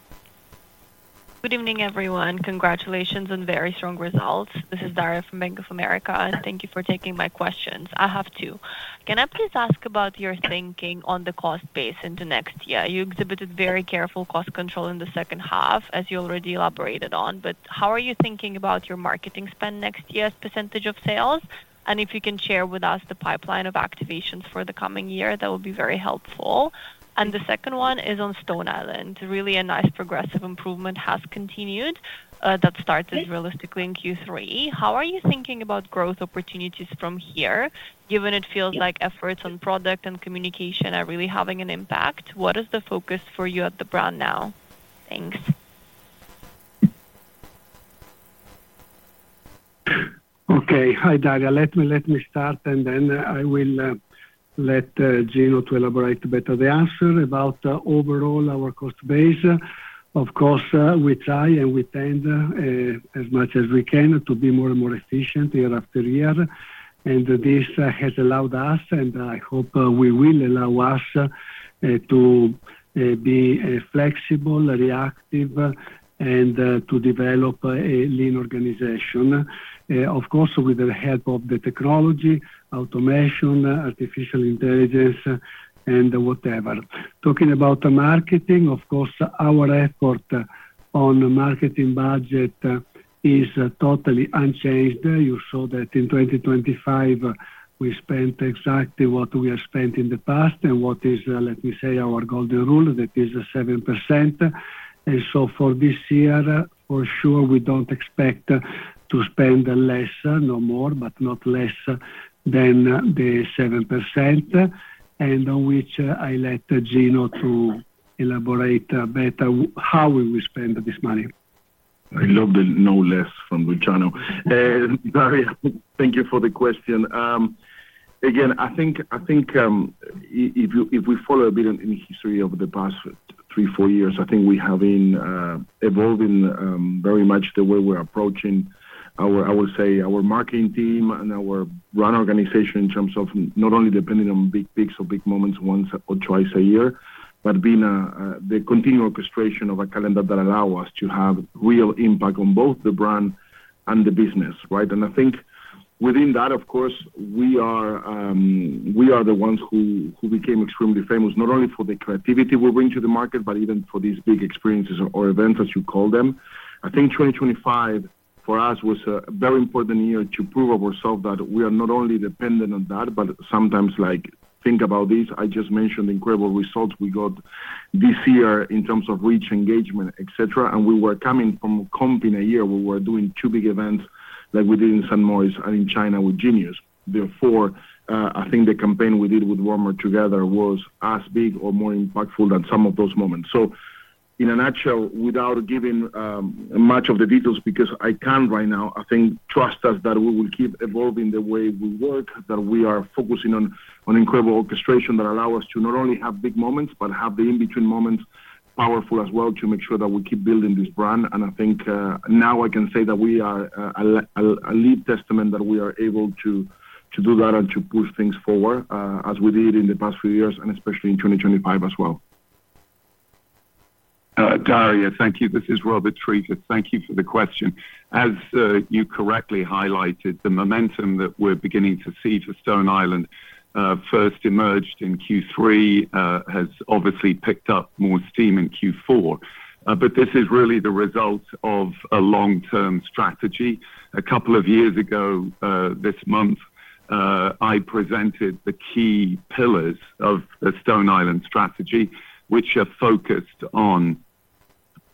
Good evening, everyone. Congratulations on very strong results. This is Daria from Bank of America, and thank you for taking my questions. I have two. Can I please ask about your thinking on the cost base in the next year? You exhibited very careful cost control in the second half, as you already elaborated on, but how are you thinking about your marketing spend next year as percentage of sales? And if you can share with us the pipeline of activations for the coming year, that would be very helpful. And the second one is on Stone Island. Really, a nice progressive improvement has continued, that starts as realistically in Q3. How are you thinking about growth opportunities from here, given it feels like efforts on product and communication are really having an impact? What is the focus for you at the brand now? Thanks. Okay. Hi, Daria. Let me, let me start and then I will let Gino to elaborate better the answer about overall our cost base. Of course, we try and we tend as much as we can to be more and more efficient year after year, and this has allowed us, and I hope we will allow us to be flexible, reactive, and to develop a lean organization. Of course, with the help of the technology, automation, artificial intelligence, and whatever. Talking about the marketing, of course, our effort on the marketing budget is totally unchanged. You saw that in 2025, we spent exactly what we have spent in the past and what is, let me say, our golden rule, that is 7%. For this year, for sure, we don't expect to spend less, no more, but not less than the 7%, and on which I let Gino to elaborate better, how will we spend this money. I love the no less from Luciano. Daria, thank you for the question. Again, I think, I think, if you, if we follow a bit in the history of the past three, four years, I think we have been evolving very much the way we're approaching our... I would say, our marketing team and our brand organization in terms of not only depending on big peaks or big moments once or twice a year, but being the continued orchestration of a calendar that allow us to have real impact on both the brand and the business, right? And I think within that, of course, we are, we are the ones who, who became extremely famous, not only for the creativity we bring to the market, but even for these big experiences or events, as you call them. I think 2025, for us, was a very important year to prove ourselves that we are not only dependent on that, but sometimes, like, think about this, I just mentioned the incredible results we got this year in terms of reach, engagement, et cetera. And we were coming from competing a year where we were doing two big events like we did in St. Moritz and in China with Genius. Therefore, I think the campaign we did with Warmer Together was as big or more impactful than some of those moments. So in a nutshell, without giving much of the details, because I can't right now, I think trust us, that we will keep evolving the way we work, that we are focusing on incredible orchestration that allow us to not only have big moments, but have the in-between moments powerful as well, to make sure that we keep building this brand. And I think, now I can say that we are a live testament, that we are able to do that and to push things forward, as we did in the past few years, and especially in 2025 as well. ... Daria, thank you. This is Robert Triefus. Thank you for the question. As you correctly highlighted, the momentum that we're beginning to see for Stone Island first emerged in Q3, has obviously picked up more steam in Q4. But this is really the result of a long-term strategy. A couple of years ago, this month, I presented the key pillars of the Stone Island strategy, which are focused on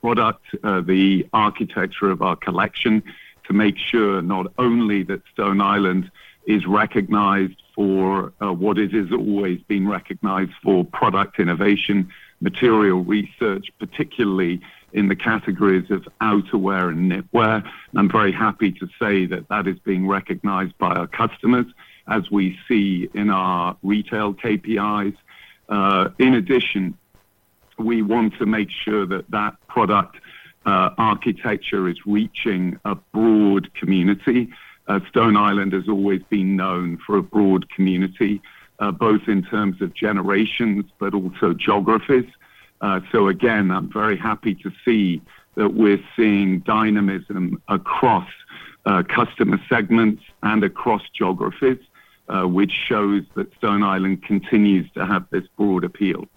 product, the architecture of our collection, to make sure not only that Stone Island is recognized for what it has always been recognized for, product innovation, material research, particularly in the categories of outerwear and knitwear. I'm very happy to say that that is being recognized by our customers, as we see in our retail KPIs. In addition, we want to make sure that that product architecture is reaching a broad community. Stone Island has always been known for a broad community, both in terms of generations, but also geographies. So again, I'm very happy to see that we're seeing dynamism across customer segments and across geographies, which shows that Stone Island continues to have this broad appeal.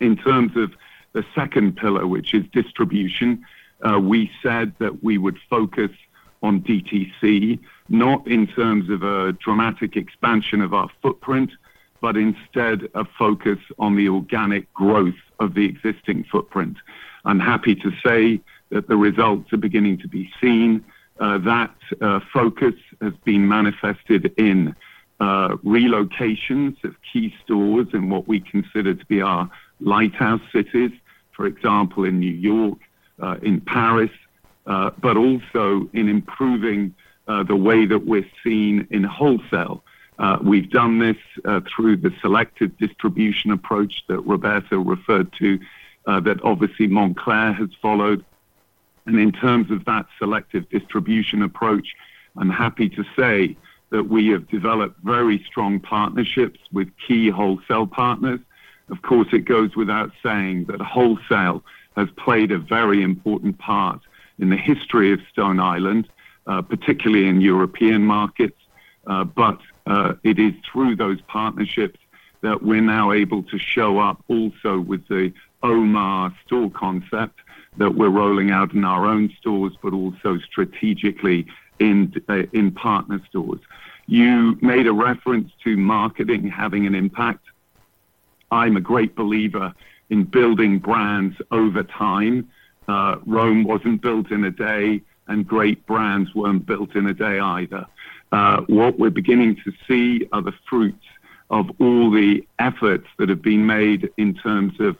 In terms of the second pillar, which is distribution, we said that we would focus on DTC, not in terms of a dramatic expansion of our footprint, but instead a focus on the organic growth of the existing footprint. I'm happy to say that the results are beginning to be seen. That focus has been manifested in relocations of key stores in what we consider to be our lighthouse cities, for example, in New York, in Paris, but also in improving the way that we're seen in wholesale. We've done this through the selective distribution approach that Roberto referred to, that obviously Moncler has followed. And in terms of that selective distribution approach, I'm happy to say that we have developed very strong partnerships with key wholesale partners. Of course, it goes without saying that wholesale has played a very important part in the history of Stone Island, particularly in European markets. But it is through those partnerships that we're now able to show up also with the OMA store concept that we're rolling out in our own stores, but also strategically in partner stores. You made a reference to marketing having an impact. I'm a great believer in building brands over time. Rome wasn't built in a day, and great brands weren't built in a day either. What we're beginning to see are the fruits of all the efforts that have been made in terms of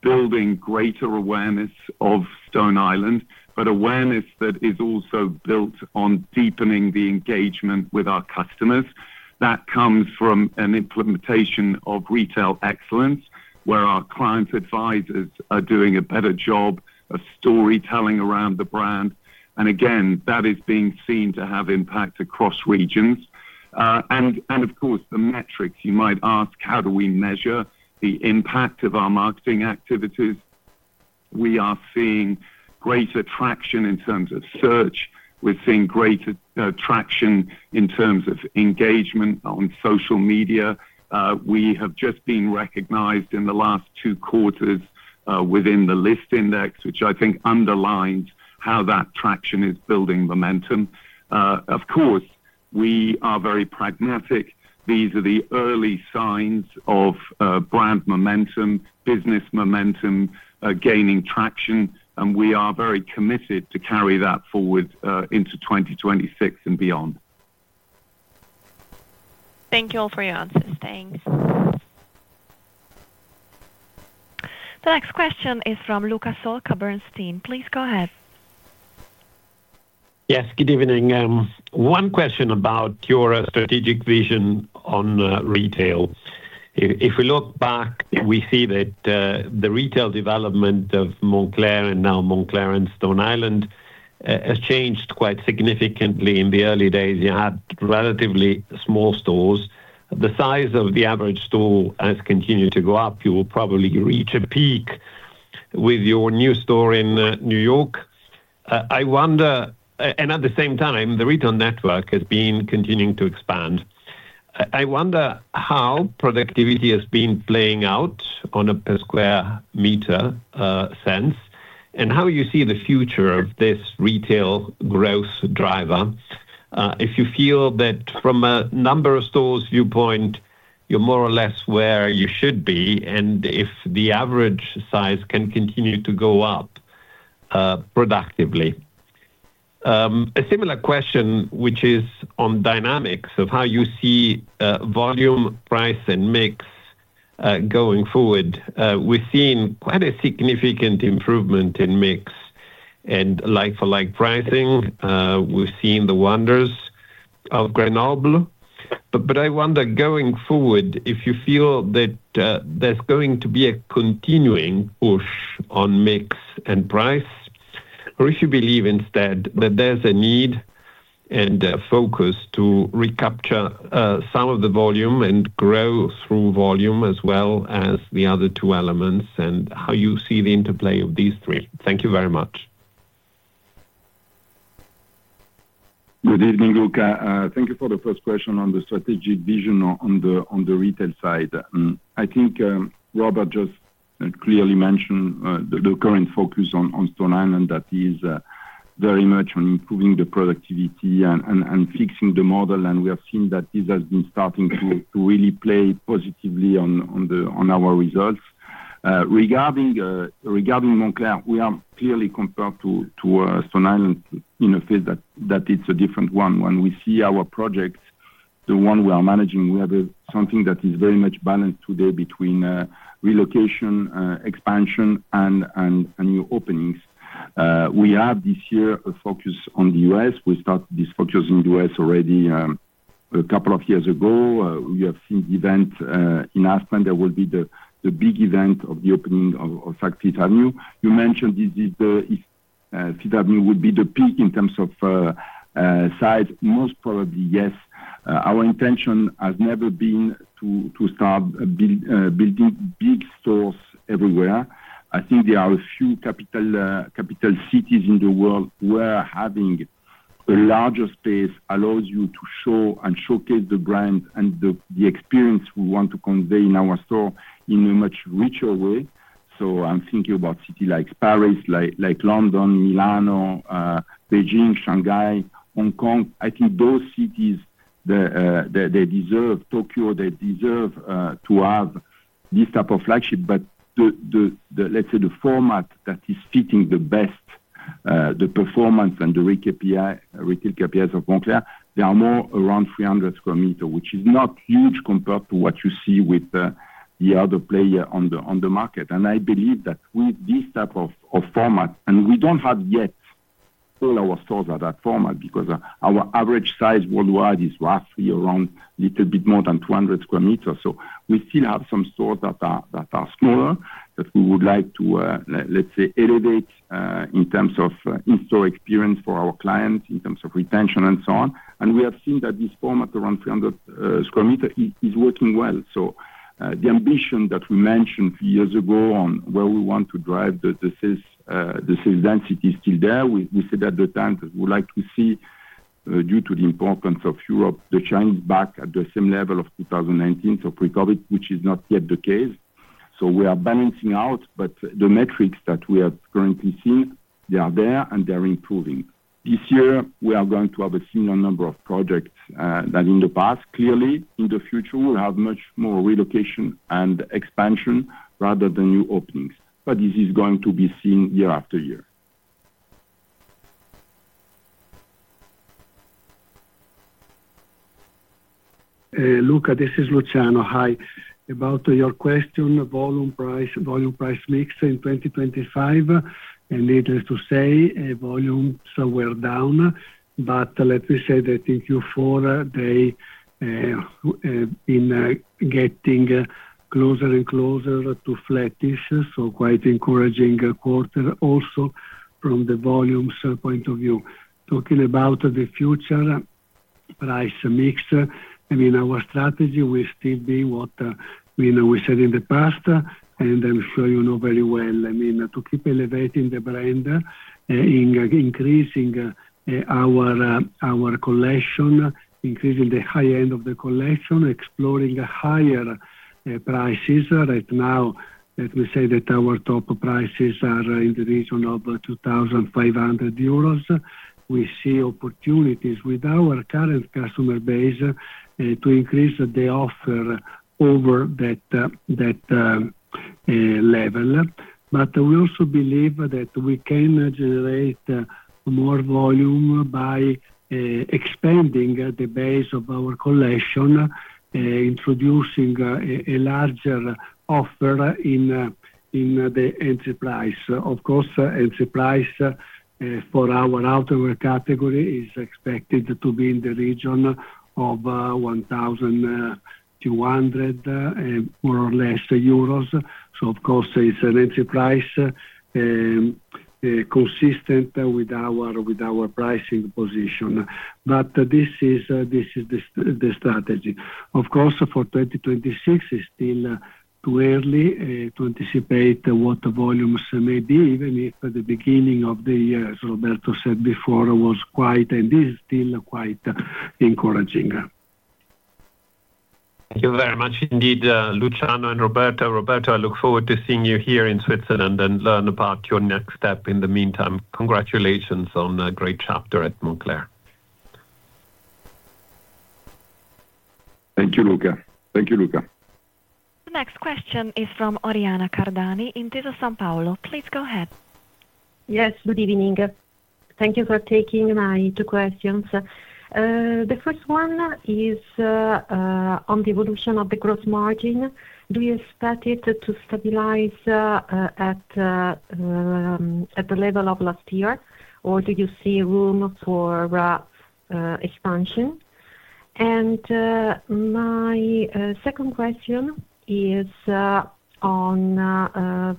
building greater awareness of Stone Island, but awareness that is also built on deepening the engagement with our customers. That comes from an implementation of retail excellence, where our client advisors are doing a better job of storytelling around the brand. And again, that is being seen to have impact across regions. And of course, the metrics, you might ask, how do we measure the impact of our marketing activities? We are seeing greater traction in terms of search. We're seeing greater traction in terms of engagement on social media. We have just been recognized in the last two quarters, within the list index, which I think underlines how that traction is building momentum. Of course, we are very pragmatic. These are the early signs of brand momentum, business momentum, gaining traction, and we are very committed to carry that forward, into 2026 and beyond. Thank you all for your answers. Thanks. The next question is from Luca Solka, Bernstein. Please go ahead. Yes, good evening. One question about your strategic vision on, retail. If we look back, we see that, the retail development of Moncler and now Moncler and Stone Island, has changed quite significantly. In the early days, you had relatively small stores. The size of the average store has continued to go up. You will probably reach a peak with your new store in, New York. I wonder... and at the same time, the retail network has been continuing to expand. I wonder how productivity has been playing out on a per square meter, sense, and how you see the future of this retail growth driver. If you feel that from a number of stores viewpoint, you're more or less where you should be, and if the average size can continue to go up, productively. A similar question, which is on dynamics of how you see, volume, price, and mix, going forward. We've seen quite a significant improvement in mix and like-for-like pricing. We've seen the wonders of Grenoble. But, but I wonder, going forward, if you feel that, there's going to be a continuing push on mix and price?... or if you believe instead that there's a need and a focus to recapture, some of the volume and grow through volume as well as the other two elements, and how you see the interplay of these three? Thank you very much. Good evening, Luca. Thank you for the first question on the strategic vision on the retail side. I think Robert just clearly mentioned the current focus on Stone Island, that is very much on improving the productivity and fixing the model, and we have seen that this has been starting to really play positively on our results. Regarding Moncler, we are clearly compared to Stone Island in a phase that it's a different one. When we see our projects, the one we are managing, we have something that is very much balanced today between relocation, expansion, and new openings. We have this year a focus on the US. We started this focus in the US already, a couple of years ago. We have seen event in Aspen, that will be the, the big event of the opening of, of Fifth Avenue. You mentioned this is the, Fifth Avenue will be the peak in terms of, size. Most probably, yes. Our intention has never been to, to start, build, building big stores everywhere. I think there are a few capital, capital cities in the world where having a larger space allows you to show and showcase the brand and the, the experience we want to convey in our store in a much richer way. So I'm thinking about city like Paris, like, like London, Milan, Beijing, Shanghai, Hong Kong. I think those cities, they, they, they deserve Tokyo, they deserve, to have this type of flagship. But the let's say the format that is fitting the best, the performance and the retail KPI, retail KPIs of Moncler, they are more around 300 square meters, which is not huge compared to what you see with the other player on the market. And I believe that with this type of format, and we don't have yet all our stores at that format, because our average size worldwide is roughly around a little bit more than 200 square meters. So we still have some stores that are smaller, that we would like to let's say elevate in terms of in-store experience for our clients, in terms of retention and so on. And we have seen that this format, around 300 square meters, is working well. So, the ambition that we mentioned a few years ago on where we want to drive the, the sales, the sales density is still there. We, we said at the time that we would like to see, due to the importance of Europe, the Chinese back at the same level of 2019, so pre-COVID, which is not yet the case. So we are balancing out, but the metrics that we have currently seen, they are there, and they are improving. This year we are going to have a similar number of projects, than in the past. Clearly, in the future, we'll have much more relocation and expansion rather than new openings, but this is going to be seen year after year. Luca, this is Luciano. Hi. About your question, volume, price, volume, price mix in 2025, and needless to say, volume somewhere down, but let me say that in Q4 they been getting closer and closer to flattish, so quite encouraging quarter also from the volumes point of view. Talking about the future price mix, I mean, our strategy will still be what we know we said in the past, and I'm sure you know very well. I mean, to keep elevating the brand in increasing our collection, increasing the high end of the collection, exploring higher prices. Right now, let me say that our top prices are in the region of 2,500 euros. We see opportunities with our current customer base to increase the offer over that level. But we also believe that we can generate more volume by expanding the base of our collection, introducing a larger offer in the entry price. Of course, entry price for our outerwear category is expected to be in the region of 1,200 more or less. So of course, it's an entry price consistent with our pricing position. But this is the strategy. Of course, for 2026, it's still too early to anticipate what the volumes may be, even if at the beginning of the year, as Roberto said before, it was quite and is still quite encouraging. Thank you very much indeed, Luciano and Roberto. Roberto, I look forward to seeing you here in Switzerland and learn about your next step. In the meantime, congratulations on a great chapter at Moncler. Thank you, Luca. Thank you, Luca. The next question is from Oriana Cardani, Intesa Sanpaolo. Please go ahead. Yes, good evening. Thank you for taking my two questions. The first one is on the evolution of the growth margin. Do you expect it to stabilize at the level of last year, or do you see room for expansion? And my second question is on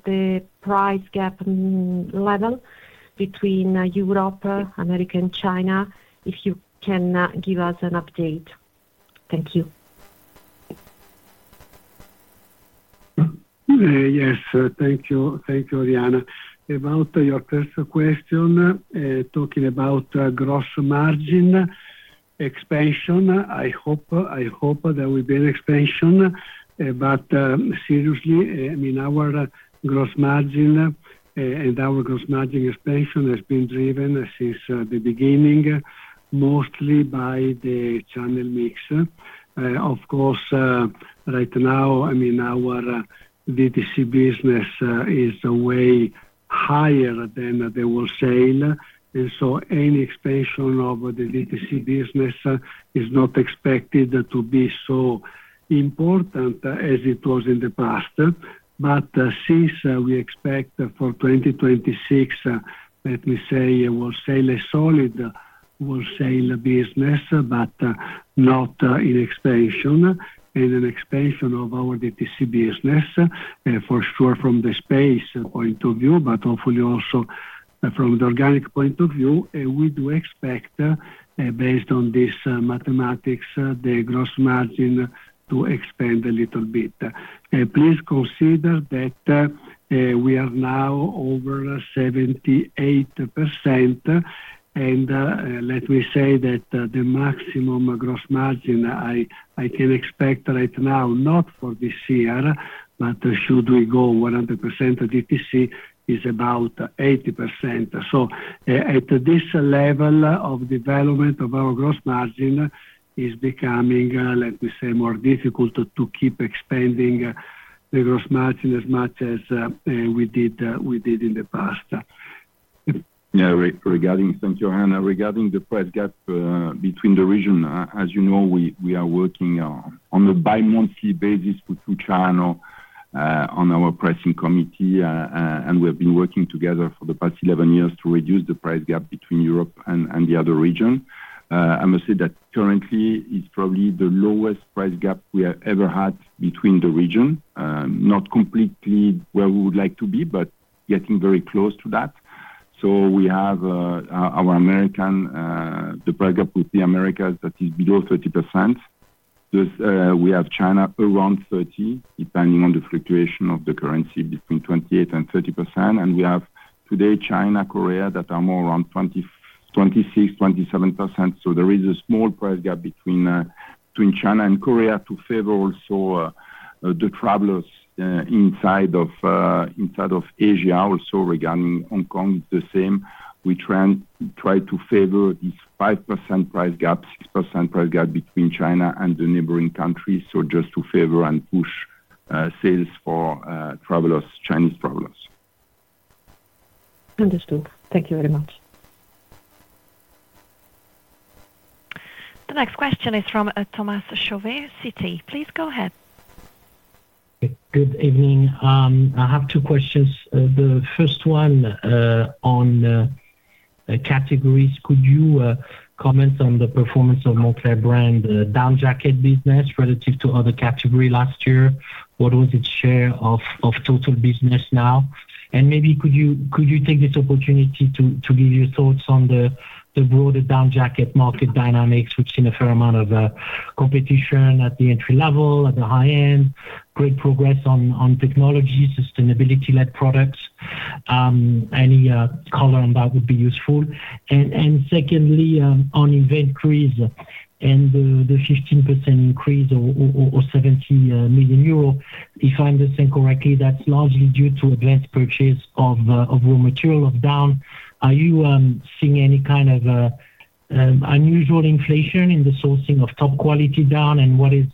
the price gap level between Europe, America, and China, if you can give us an update. Thank you. Yes, thank you. Thank you, Ariana. About your first question, talking about gross margin expansion. I hope there will be an expansion, but seriously, I mean, our gross margin and our gross margin expansion has been driven since the beginning, mostly by the channel mix. Of course, right now, I mean, our D2C business is way higher than the wholesale. And so any expansion of the D2C business is not expected to be so important as it was in the past. But since we expect for 2026, let me say, a solid wholesale business, but not in expansion, and an expansion of our D2C business, for sure, from the space point of view, but hopefully also from the organic point of view. We do expect, based on this mathematics, the gross margin to expand a little bit. Please consider that we are now over 78%, and let me say that the maximum gross margin I can expect right now, not for this year, but should we go 100% D2C, is about 80%. So at this level of development of our gross margin is becoming, let me say, more difficult to keep expanding the gross margin as much as we did in the past. Yeah. Regarding, thanks, Oriana. Regarding the price gap between the region, as you know, we are working on a bi-monthly basis with China on our pricing committee. And we have been working together for the past 11 years to reduce the price gap between Europe and the other region. I must say that currently is probably the lowest price gap we have ever had between the region. Not completely where we would like to be, but getting very close to that. So we have the price gap with the Americas that is below 30%. Thus, we have China around 30%, depending on the fluctuation of the currency, between 28%-30%. And we have today, China, Korea, that are more around 26%-27%. So there is a small price gap between China and Korea to favor also the travelers inside of Asia. Also, regarding Hong Kong, it's the same. We try to favor this 5% price gap, 6% price gap between China and the neighboring countries, so just to favor and push sales for travelers, Chinese travelers. Understood. Thank you very much. The next question is from Thomas Chauvet, Citi. Please go ahead. Good evening. I have two questions. The first one, on categories. Could you comment on the performance of Moncler brand, down jacket business relative to other category last year? What was its share of total business now? And maybe could you take this opportunity to give your thoughts on the broader down jacket market dynamics, which seen a fair amount of competition at the entry level, at the high end, great progress on technology, sustainability-led products? Any color on that would be useful. And secondly, on inventories and the 15% increase or 70 million euro. If I understand correctly, that's largely due to advanced purchase of raw material of down. Are you seeing any kind of unusual inflation in the sourcing of top quality down? And what is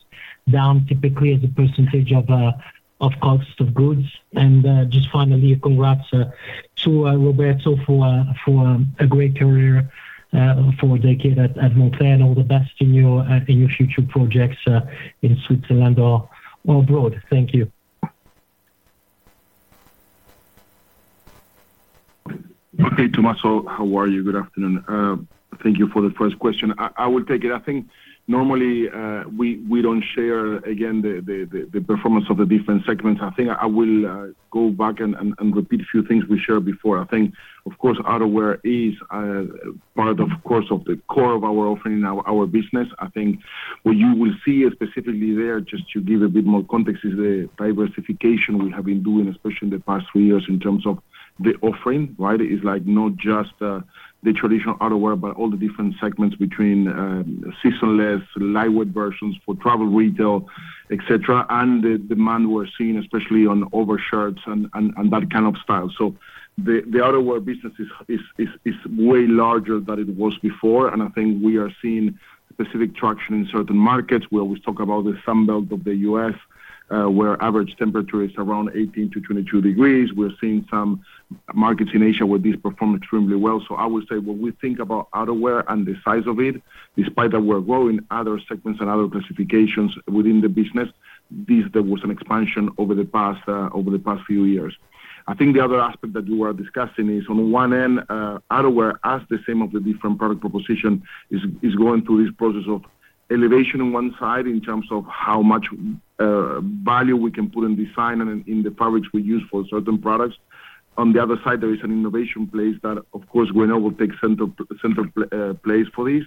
down typically as a percentage of cost of goods? And just finally, congrats to Roberto for a great career for a decade at Moncler, and all the best in your future projects in Switzerland or abroad. Thank you. Hey, Thomas. How are you? Good afternoon. Thank you for the first question. I will take it. I think normally, we don't share, again, the performance of the different segments. I think I will go back and repeat a few things we shared before. I think of course, outerwear is part, of course, of the core of our offering in our business. I think what you will see specifically there, just to give a bit more context, is the diversification we have been doing, especially in the past three years, in terms of the offering, right? It's like not just the traditional outerwear, but all the different segments between seasonless, lightweight versions for travel, retail, et cetera. And the demand we're seeing, especially on overshirts and that kind of style. So the outerwear business is way larger than it was before, and I think we are seeing specific traction in certain markets. We always talk about the Sun Belt of the U.S., where average temperature is around 18-22 degrees Celsius. We're seeing some markets in Asia where these perform extremely well. So I would say when we think about outerwear and the size of it, despite that we're growing other segments and other classifications within the business, this there was an expansion over the past few years.... I think the other aspect that you were discussing is on one end, outerwear, as the same of the different product proposition, is going through this process of elevation on one side, in terms of how much value we can put in design and in the fabrics we use for certain products. On the other side, there is an innovation place that, of course, we know will take center place for this.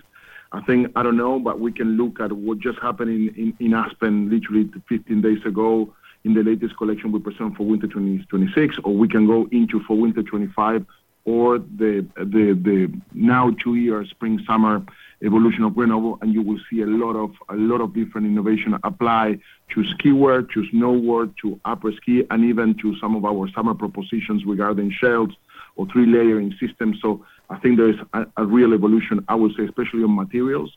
I think, I don't know, but we can look at what just happened in Aspen, literally 15 days ago, in the latest collection we presented for winter 2026, or we can go into for winter 2025 or the now two-year spring/summer evolution of Grenoble, and you will see a lot of, a lot of different innovation apply to ski wear, to snow wear, to après-ski, and even to some of our summer propositions regarding shells or three layering systems. So I think there is a real evolution, I would say, especially on materials,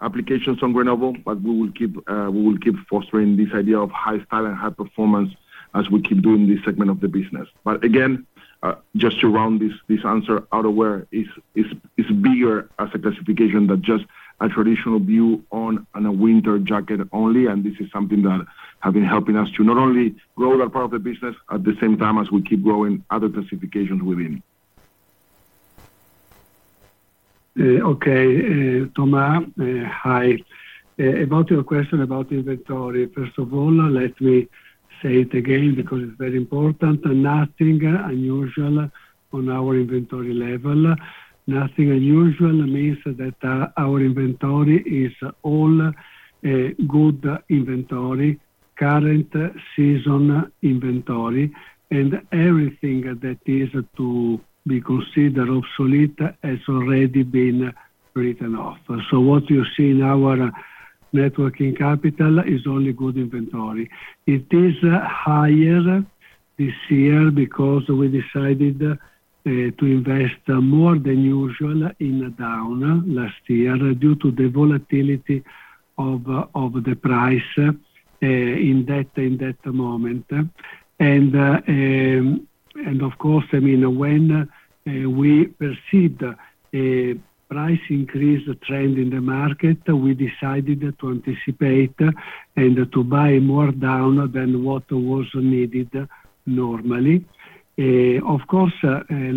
applications on Grenoble, but we will keep we will keep fostering this idea of high style and high performance as we keep doing this segment of the business. But again, just to round this answer, outerwear is bigger as a classification than just a traditional view on a winter jacket only, and this is something that have been helping us to not only grow that part of the business at the same time as we keep growing other classifications within. Okay, Thomas, hi. About your question about inventory, first of all, let me say it again, because it's very important. Nothing unusual on our inventory level. Nothing unusual means that, our inventory is all, good inventory, current season inventory, and everything that is to be considered obsolete has already been written off. So what you see in our net working capital is only good inventory. It is higher this year because we decided, to invest more than usual in down last year, due to the volatility of, of the price, in that, in that moment. And, and of course, I mean, when, we perceived a price increase trend in the market, we decided to anticipate, and to buy more down than what was needed normally. Of course,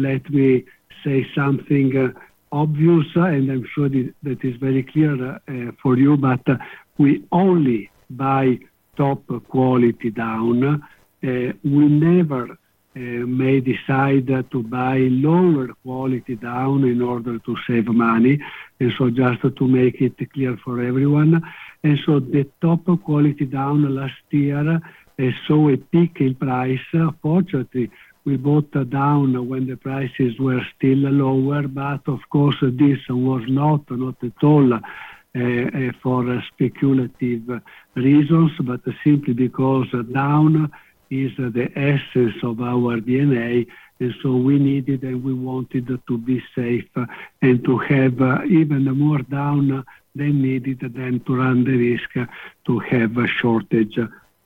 let me say something obvious, and I'm sure that is very clear for you, but we only buy top quality down. We never may decide to buy lower quality down in order to save money, and so just to make it clear for everyone. The top quality down last year saw a peak in price. Fortunately, we bought down when the prices were still lower, but of course, this was not at all for speculative reasons, but simply because down is the essence of our DNA, and so we needed and we wanted to be safe and to have even more down than needed than to run the risk to have a shortage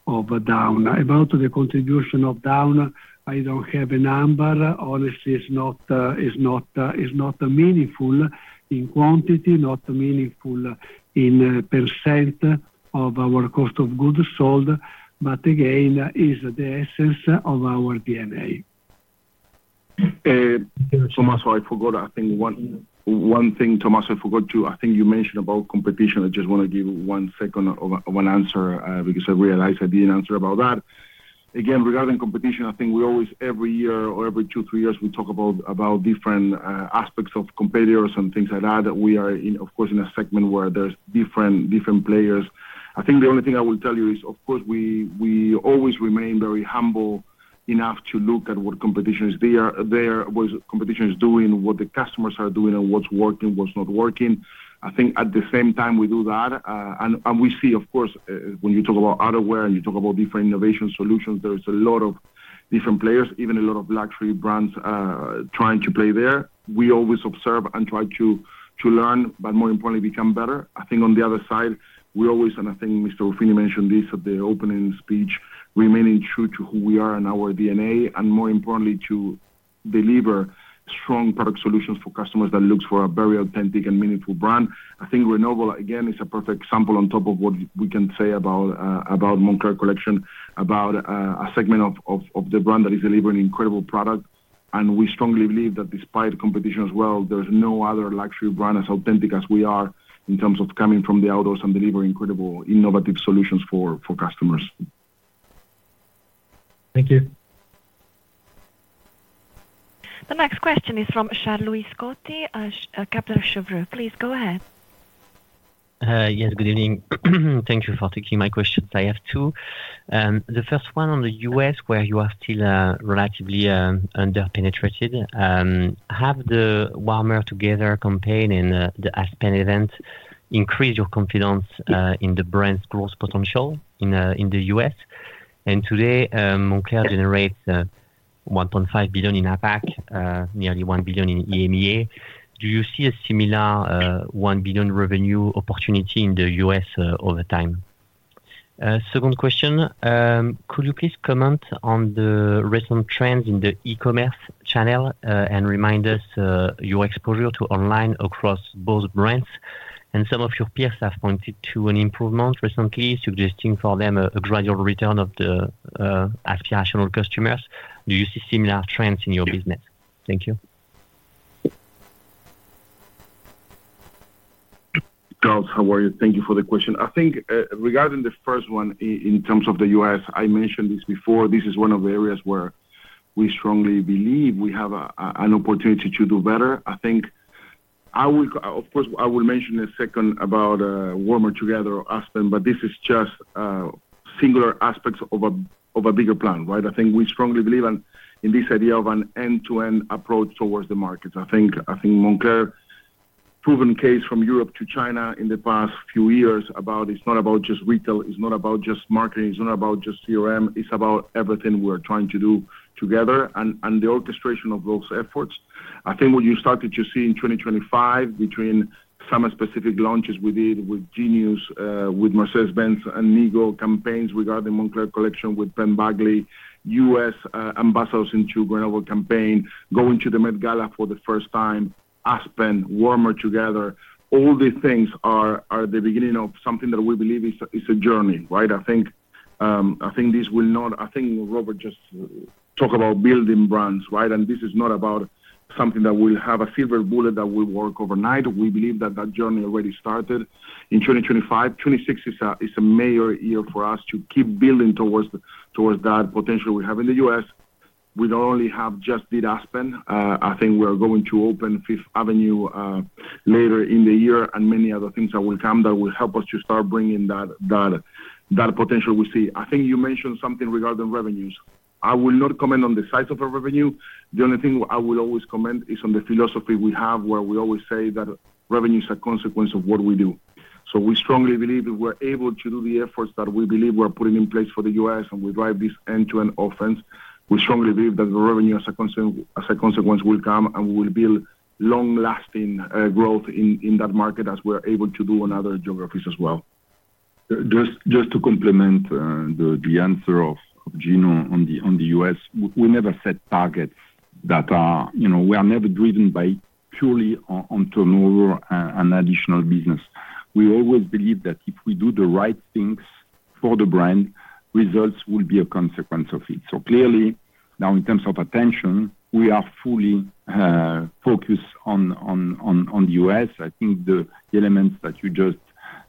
of down. About the contribution of down, I don't have a number. Honestly, it's not meaningful in quantity, not meaningful in percent of our cost of goods sold, but again, is the essence of our DNA. Tommaso, I forgot, I think one thing, Tommaso, I forgot to... I think you mentioned about competition. I just want to give one second of one answer, because I realized I didn't answer about that. Again, regarding competition, I think we always, every year or every two, three years, we talk about different aspects of competitors and things like that, that we are in, of course, in a segment where there's different players. I think the only thing I will tell you is, of course, we always remain very humble enough to look at what competition is there, what competition is doing, what the customers are doing and what's working, what's not working. I think at the same time we do that, and we see, of course, when you talk about outerwear and you talk about different innovation solutions, there is a lot of different players, even a lot of luxury brands, trying to play there. We always observe and try to learn, but more importantly, become better. I think on the other side, we always, and I think Mr. Ruffini mentioned this at the opening speech, remaining true to who we are and our DNA, and more importantly, to deliver strong product solutions for customers that looks for a very authentic and meaningful brand. I think Grenoble, again, is a perfect example on top of what we can say about Moncler Collection, about a segment of the brand that is delivering incredible product. We strongly believe that despite competition as well, there's no other luxury brand as authentic as we are in terms of coming from the outdoors and delivering incredible innovative solutions for customers. Thank you. The next question is from Charles-Louis Scotti, Kepler Cheuvreux. Please go ahead. Yes, good evening. Thank you for taking my questions. I have two. The first one on the U.S., where you are still relatively underpenetrated. Have the Warmer Together campaign and the Aspen event increased your confidence in the brand's growth potential in the U.S.? And today, Moncler generates 1.5 billion in APAC, nearly 1 billion in EMEA. Do you see a similar 1 billion revenue opportunity in the U.S. over time? Second question, could you please comment on the recent trends in the e-commerce channel, and remind us your exposure to online across both brands?... and some of your peers have pointed to an improvement recently, suggesting for them a gradual return of the aspirational customers. Do you see similar trends in your business? Thank you. Charles, how are you? Thank you for the question. I think, regarding the first one, in terms of the US, I mentioned this before, this is one of the areas where we strongly believe we have an opportunity to do better. I think I will-- of course, I will mention a second about Warmer Together Aspen, but this is just singular aspects of a bigger plan, right? I think we strongly believe in this idea of an end-to-end approach towards the market. I think Moncler proven case from Europe to China in the past few years about it's not about just retail, it's not about just marketing, it's not about just CRM, it's about everything we're trying to do together and the orchestration of those efforts. I think what you started to see in 2025 between summer specific launches we did with Genius, with Mercedes-Benz and Nigo campaigns regarding Moncler Collection, with Ben Bagley, US ambassadors in the Grenoble campaign, going to the Met Gala for the first time, Aspen, Warmer Together, all these things are the beginning of something that we believe is a journey, right? I think this will not—I think Robert just talked about building brands, right? And this is not about something that will have a silver bullet that will work overnight. We believe that that journey already started in 2025. 2026 is a major year for us to keep building towards that potential we have in the US. We not only have just did Aspen. I think we are going to open Fifth Avenue later in the year, and many other things that will come that will help us to start bringing that potential we see. I think you mentioned something regarding revenues. I will not comment on the size of our revenue. The only thing I will always comment is on the philosophy we have, where we always say that revenue is a consequence of what we do. So we strongly believe that we're able to do the efforts that we believe we're putting in place for the U.S., and we drive this end-to-end offense. We strongly believe that the revenue, as a consequence, will come, and we will build long-lasting growth in that market, as we're able to do in other geographies as well. Just to complement the answer of Gino on the US, we never set targets that are... You know, we are never driven by purely on turnover and additional business. We always believe that if we do the right things for the brand, results will be a consequence of it. So clearly, now, in terms of attention, we are fully focused on the US. I think the elements that you just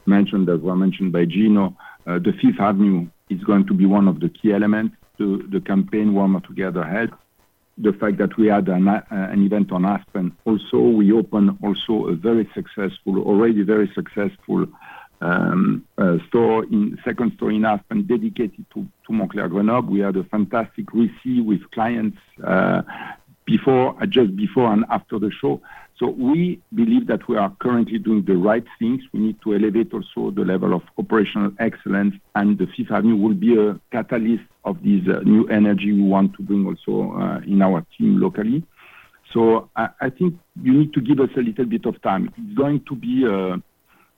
mentioned, that were mentioned by Gino, the Fifth Avenue is going to be one of the key elements to the campaign Warmer Together ahead. The fact that we had an event on Aspen, also, we opened also a very successful, already very successful, store in second store in Aspen, dedicated to Moncler Grenoble. We had a fantastic reception with clients before, just before and after the show. So we believe that we are currently doing the right things. We need to elevate also the level of operational excellence, and the Fifth Avenue will be a catalyst of this new energy we want to bring also in our team locally. So I think you need to give us a little bit of time. It's going to be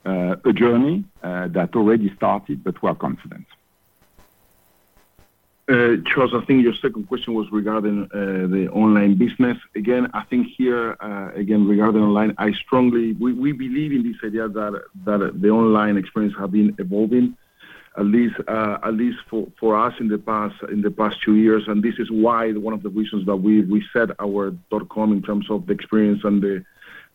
a journey that already started, but we are confident. Charles, I think your second question was regarding the online business. Again, I think here, again, regarding online, we believe in this idea that the online experience have been evolving, at least, at least for us in the past two years. And this is why one of the reasons that we set our dotcom in terms of the experience and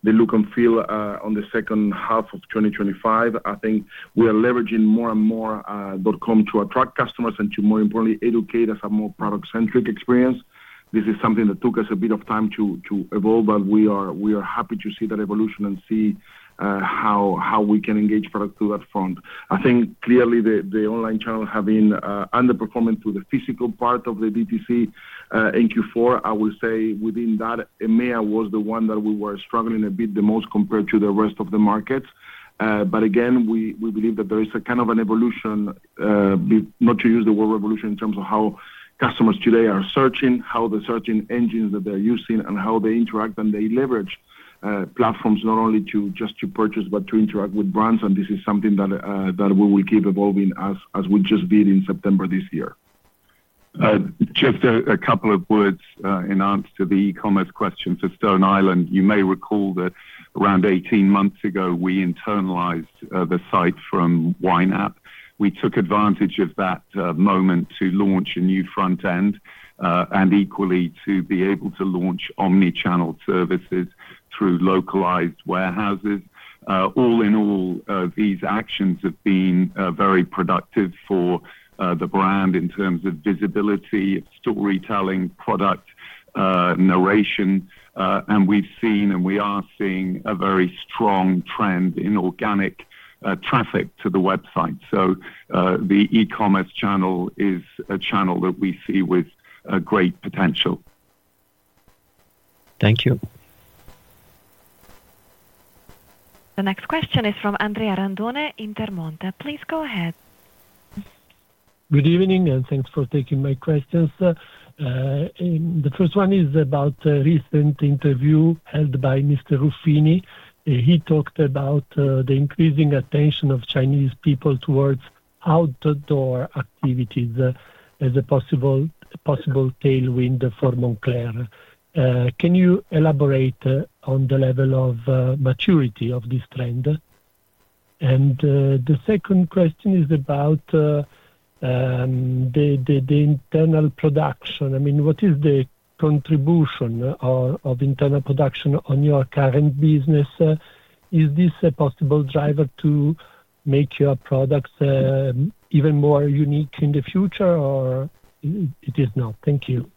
the look and feel on the second half of 2025. I think we are leveraging more and more dotcom to attract customers and to, more importantly, educate us a more product-centric experience. This is something that took us a bit of time to evolve, but we are happy to see that evolution and see how we can engage product to that front. I think clearly the online channel have been underperforming to the physical part of the DTC. In Q4, I will say within that, EMEA was the one that we were struggling a bit the most compared to the rest of the market. But again, we believe that there is a kind of an evolution, not to use the word evolution, in terms of how customers today are searching, how the search engines that they're using, and how they interact, and they leverage platforms, not only to just to purchase, but to interact with brands. And this is something that we will keep evolving as we just did in September this year. Just a couple of words in answer to the e-commerce question for Stone Island. You may recall that around 18 months ago, we internalized the site from YNAP. We took advantage of that moment to launch a new front end, and equally to be able to launch omni-channel services through localized warehouses. All in all, these actions have been very productive for the brand in terms of visibility, storytelling, product narration. And we've seen, and we are seeing a very strong trend in organic traffic to the website. So, the e-commerce channel is a channel that we see with a great potential. Thank you. The next question is from Andrea Randone, Intermonte. Please go ahead. Good evening, and thanks for taking my questions, sir. The first one is about a recent interview held by Mr. Ruffini. He talked about the increasing attention of Chinese people toward outdoor activities as a possible tailwind for Moncler. Can you elaborate on the level of maturity of this trend?... The second question is about the internal production. I mean, what is the contribution of internal production on your current business? Is this a possible driver to make your products even more unique in the future or it is not? Thank you.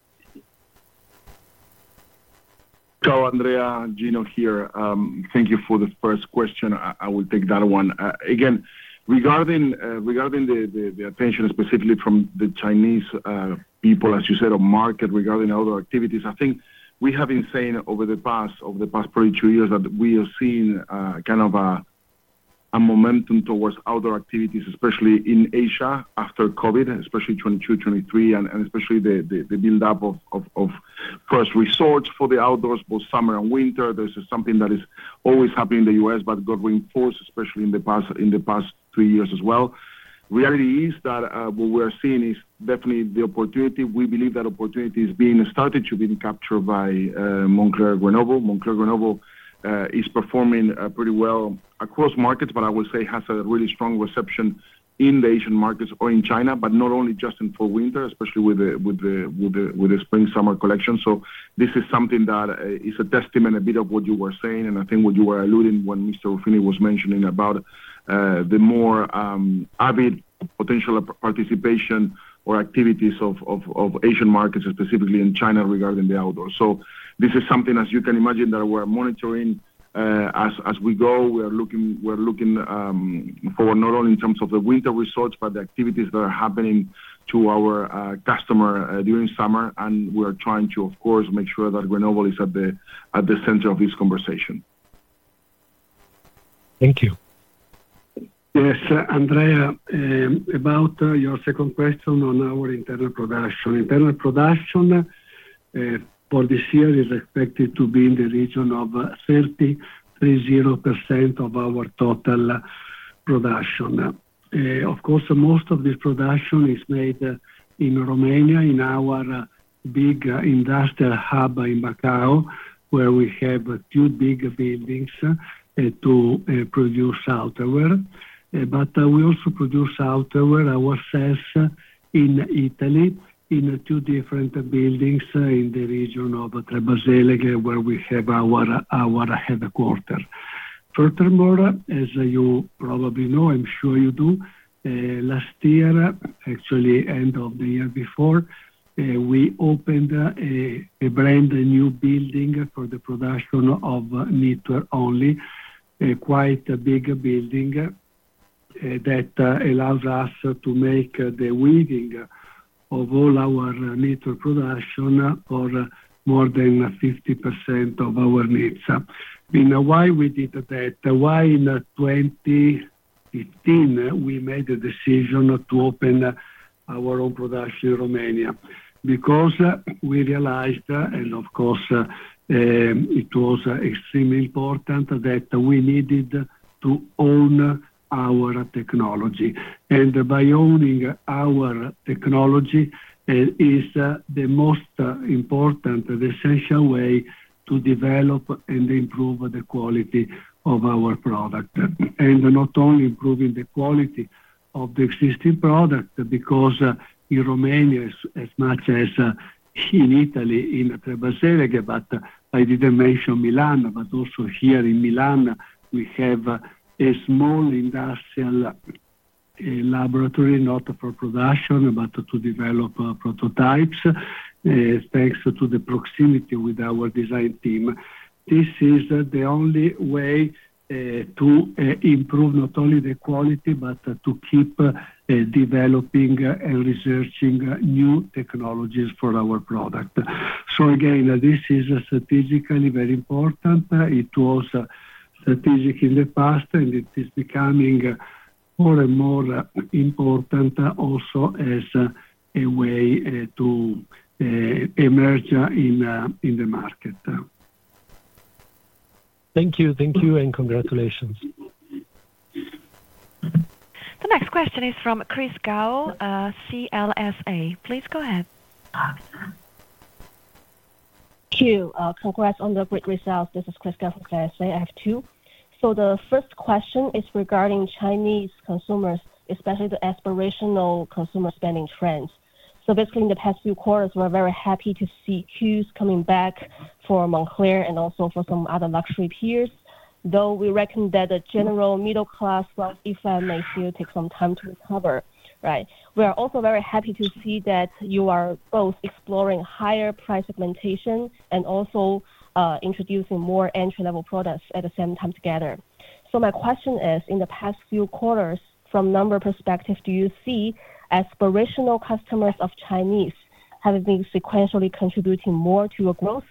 Ciao, Andrea. Gino here. Thank you for the first question. I will take that one. Again, regarding the attention specifically from the Chinese people, as you said, of market regarding outdoor activities, I think we have been saying over the past probably two years that we are seeing kind of a momentum towards outdoor activities, especially in Asia, after COVID, especially 2022, 2023, and especially the build-up of first resorts for the outdoors, both summer and winter. This is something that is always happening in the U.S., but got reinforced, especially in the past three years as well. Reality is that what we are seeing is definitely the opportunity. We believe that opportunity is being started to being captured by Moncler Grenoble. Moncler Grenoble is performing pretty well across markets, but I would say has a really strong reception in the Asian markets or in China, but not only just in Fall/Winter, especially with the spring/summer collection. So this is something that is a testament, a bit of what you were saying, and I think what you were alluding when Mr. Ruffini was mentioning about the more avid potential participation or activities of Asian markets, specifically in China, regarding the outdoors. So this is something, as you can imagine, that we're monitoring as we go. We're looking for not only in terms of the winter resorts, but the activities that are happening to our customer during summer. We are trying to, of course, make sure that Grenoble is at the center of this conversation. Thank you. Yes, Andrea, about your second question on our internal production. Internal production for this year is expected to be in the region of 33.0% of our total production. Of course, most of this production is made in Romania, in our big industrial hub in Bacău, where we have two big buildings to produce outerwear. But we also produce outerwear ourselves in Italy, in two different buildings in the region of Trebaseleghe, where we have our headquarters. Furthermore, as you probably know, I'm sure you do, last year, actually, end of the year before, we opened a brand new building for the production of knitwear only. A quite big building that allows us to make the weaving of all our knitwear production, or more than 50% of our knits. Why we did that? Why in 2015 we made the decision to open our own production in Romania? Because we realized, and of course, it was extremely important that we needed to own our technology. By owning our technology, is the most important essential way to develop and improve the quality of our product. Not only improving the quality of the existing product, because in Romania, as much as in Italy, in Trebaseleghe, but I didn't mention Milan, but also here in Milan, we have a small industrial laboratory, not for production, but to develop prototypes, thanks to the proximity with our design team. This is the only way to improve not only the quality, but to keep developing and researching new technologies for our product. So again, this is strategically very important. It was strategic in the past, and it is becoming more and more important, also as a way to emerge in the market. Thank you. Thank you, and congratulations. The next question is from Chris Gao, CLSA. Please go ahead. Uh. Congrats on the great results. This is Chris Gao from CLSA. I have two. So the first question is regarding Chinese consumers, especially the aspirational consumer spending trends. So basically, in the past few quarters, we're very happy to see Qs coming back for Moncler and also for some other luxury peers, though we reckon that the general middle class may still take some time to recover, right? We are also very happy to see that you are both exploring higher price segmentation and also introducing more entry-level products at the same time together. So my question is, in the past few quarters, from number perspective, do you see aspirational customers of Chinese having been sequentially contributing more to your growth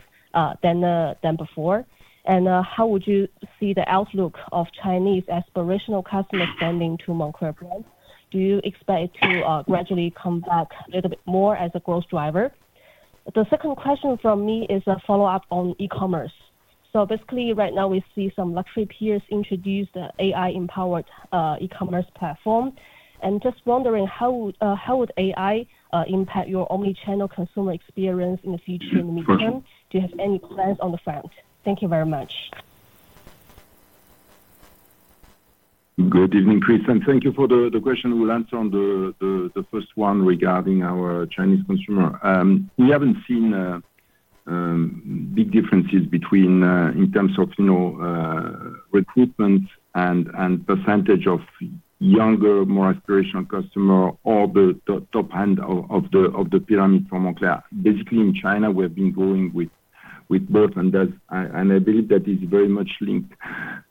than before? And how would you see the outlook of Chinese aspirational customer spending to Moncler brand? Do you expect it to gradually come back a little bit more as a growth driver? The second question from me is a follow-up on e-commerce. So basically, right now, we see some luxury peers introduce the AI-empowered e-commerce platform. And just wondering, how would AI impact your omni-channel consumer experience in the future and the midterm? Got you. Do you have any plans on the front? Thank you very much. ... Good evening, Chris, and thank you for the question. We'll answer on the first one regarding our Chinese consumer. We haven't seen big differences between in terms of, you know, recruitment and percentage of younger, more aspirational customer or the top end of the pyramid for Moncler. Basically, in China, we've been going with both, and that's, and I believe that is very much linked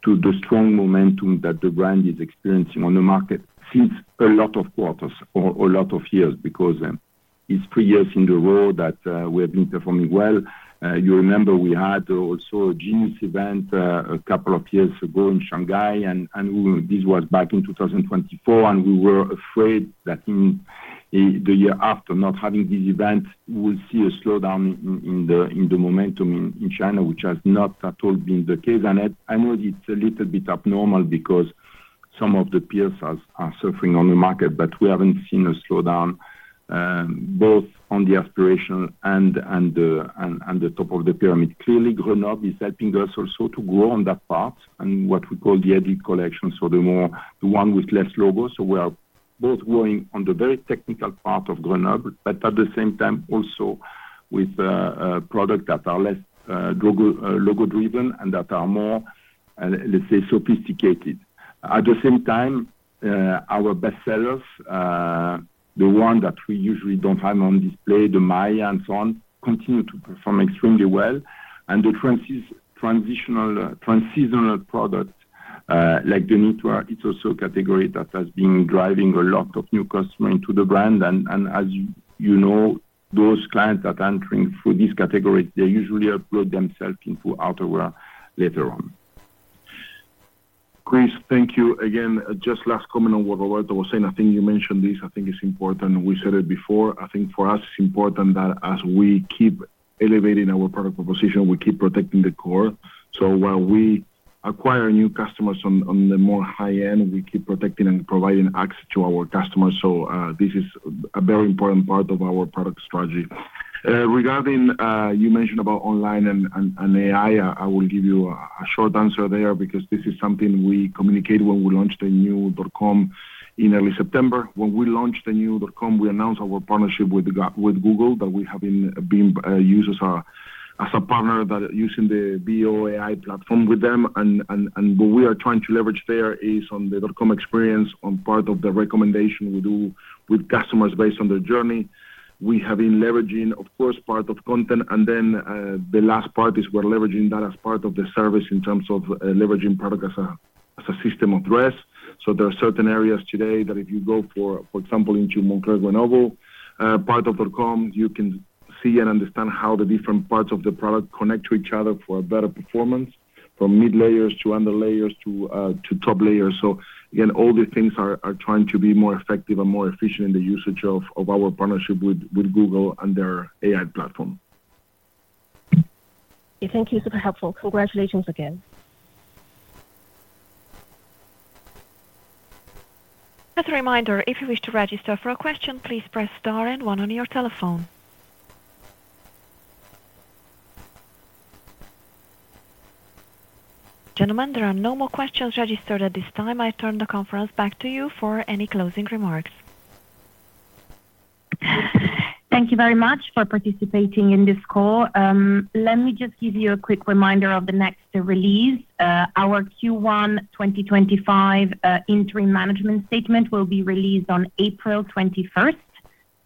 to the strong momentum that the brand is experiencing on the market, since a lot of quarters or a lot of years, because, it's three years in a row that we have been performing well. You remember we had also a genius event, a couple of years ago in Shanghai, and we—this was back in 2024, and we were afraid that in the year after not having this event, we'll see a slowdown in the momentum in China, which has not at all been the case. And I know it's a little bit abnormal because some of the peers are suffering on the market, but we haven't seen a slowdown, both on the aspiration and the top of the pyramid. Clearly, Grenoble is helping us also to grow on that part and what we call the added collection, so the more, the one with less logo. So we are both growing on the very technical part of Grenoble, but at the same time also with a product that are less logo-driven, and that are more, let's say, sophisticated. At the same time, our best sellers, the one that we usually don't have on display, the Maya and so on, continue to perform extremely well. And the transitional transseasonal product, like the knitwear, it's also a category that has been driving a lot of new customer into the brand. And as you know, those clients that are entering through this category, they usually upload themselves into outerwear later on. Chris, thank you again. Just last comment on what Roberto was saying. I think you mentioned this, I think it's important, and we said it before. I think for us, it's important that as we keep elevating our product proposition, we keep protecting the core. So while we acquire new customers on the more high end, we keep protecting and providing access to our customers. So this is a very important part of our product strategy. Regarding what you mentioned about online and AI, I will give you a short answer there, because this is something we communicated when we launched the new .com in early September. When we launched the new .com, we announced our partnership with Google, that we have been using as a partner, but using our AI platform with them. What we are trying to leverage there is on the .com experience, on part of the recommendation we do with customers based on their journey. We have been leveraging, of course, part of content, and then the last part is we're leveraging that as part of the service in terms of leveraging product as a system of address. So there are certain areas today that if you go for example into Moncler Grenoble part of .com, you can see and understand how the different parts of the product connect to each other for a better performance, from mid layers to under layers to top layers. So again, all these things are trying to be more effective and more efficient in the usage of our partnership with Google and their AI platform. Thank you. Super helpful. Congratulations again. As a reminder, if you wish to register for a question, please press star and one on your telephone. Gentlemen, there are no more questions registered at this time. I turn the conference back to you for any closing remarks. Thank you very much for participating in this call. Let me just give you a quick reminder of the next release. Our Q1 2025 interim management statement will be released on April 21st,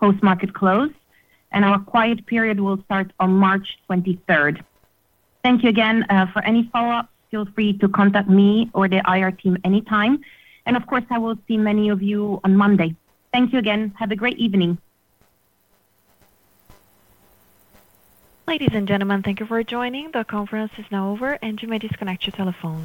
post-market close, and our quiet period will start on March 23rd. Thank you again. For any follow-up, feel free to contact me or the IR team anytime, and of course, I will see many of you on Monday. Thank you again. Have a great evening. Ladies and gentlemen, thank you for joining. The conference is now over, and you may disconnect your telephone.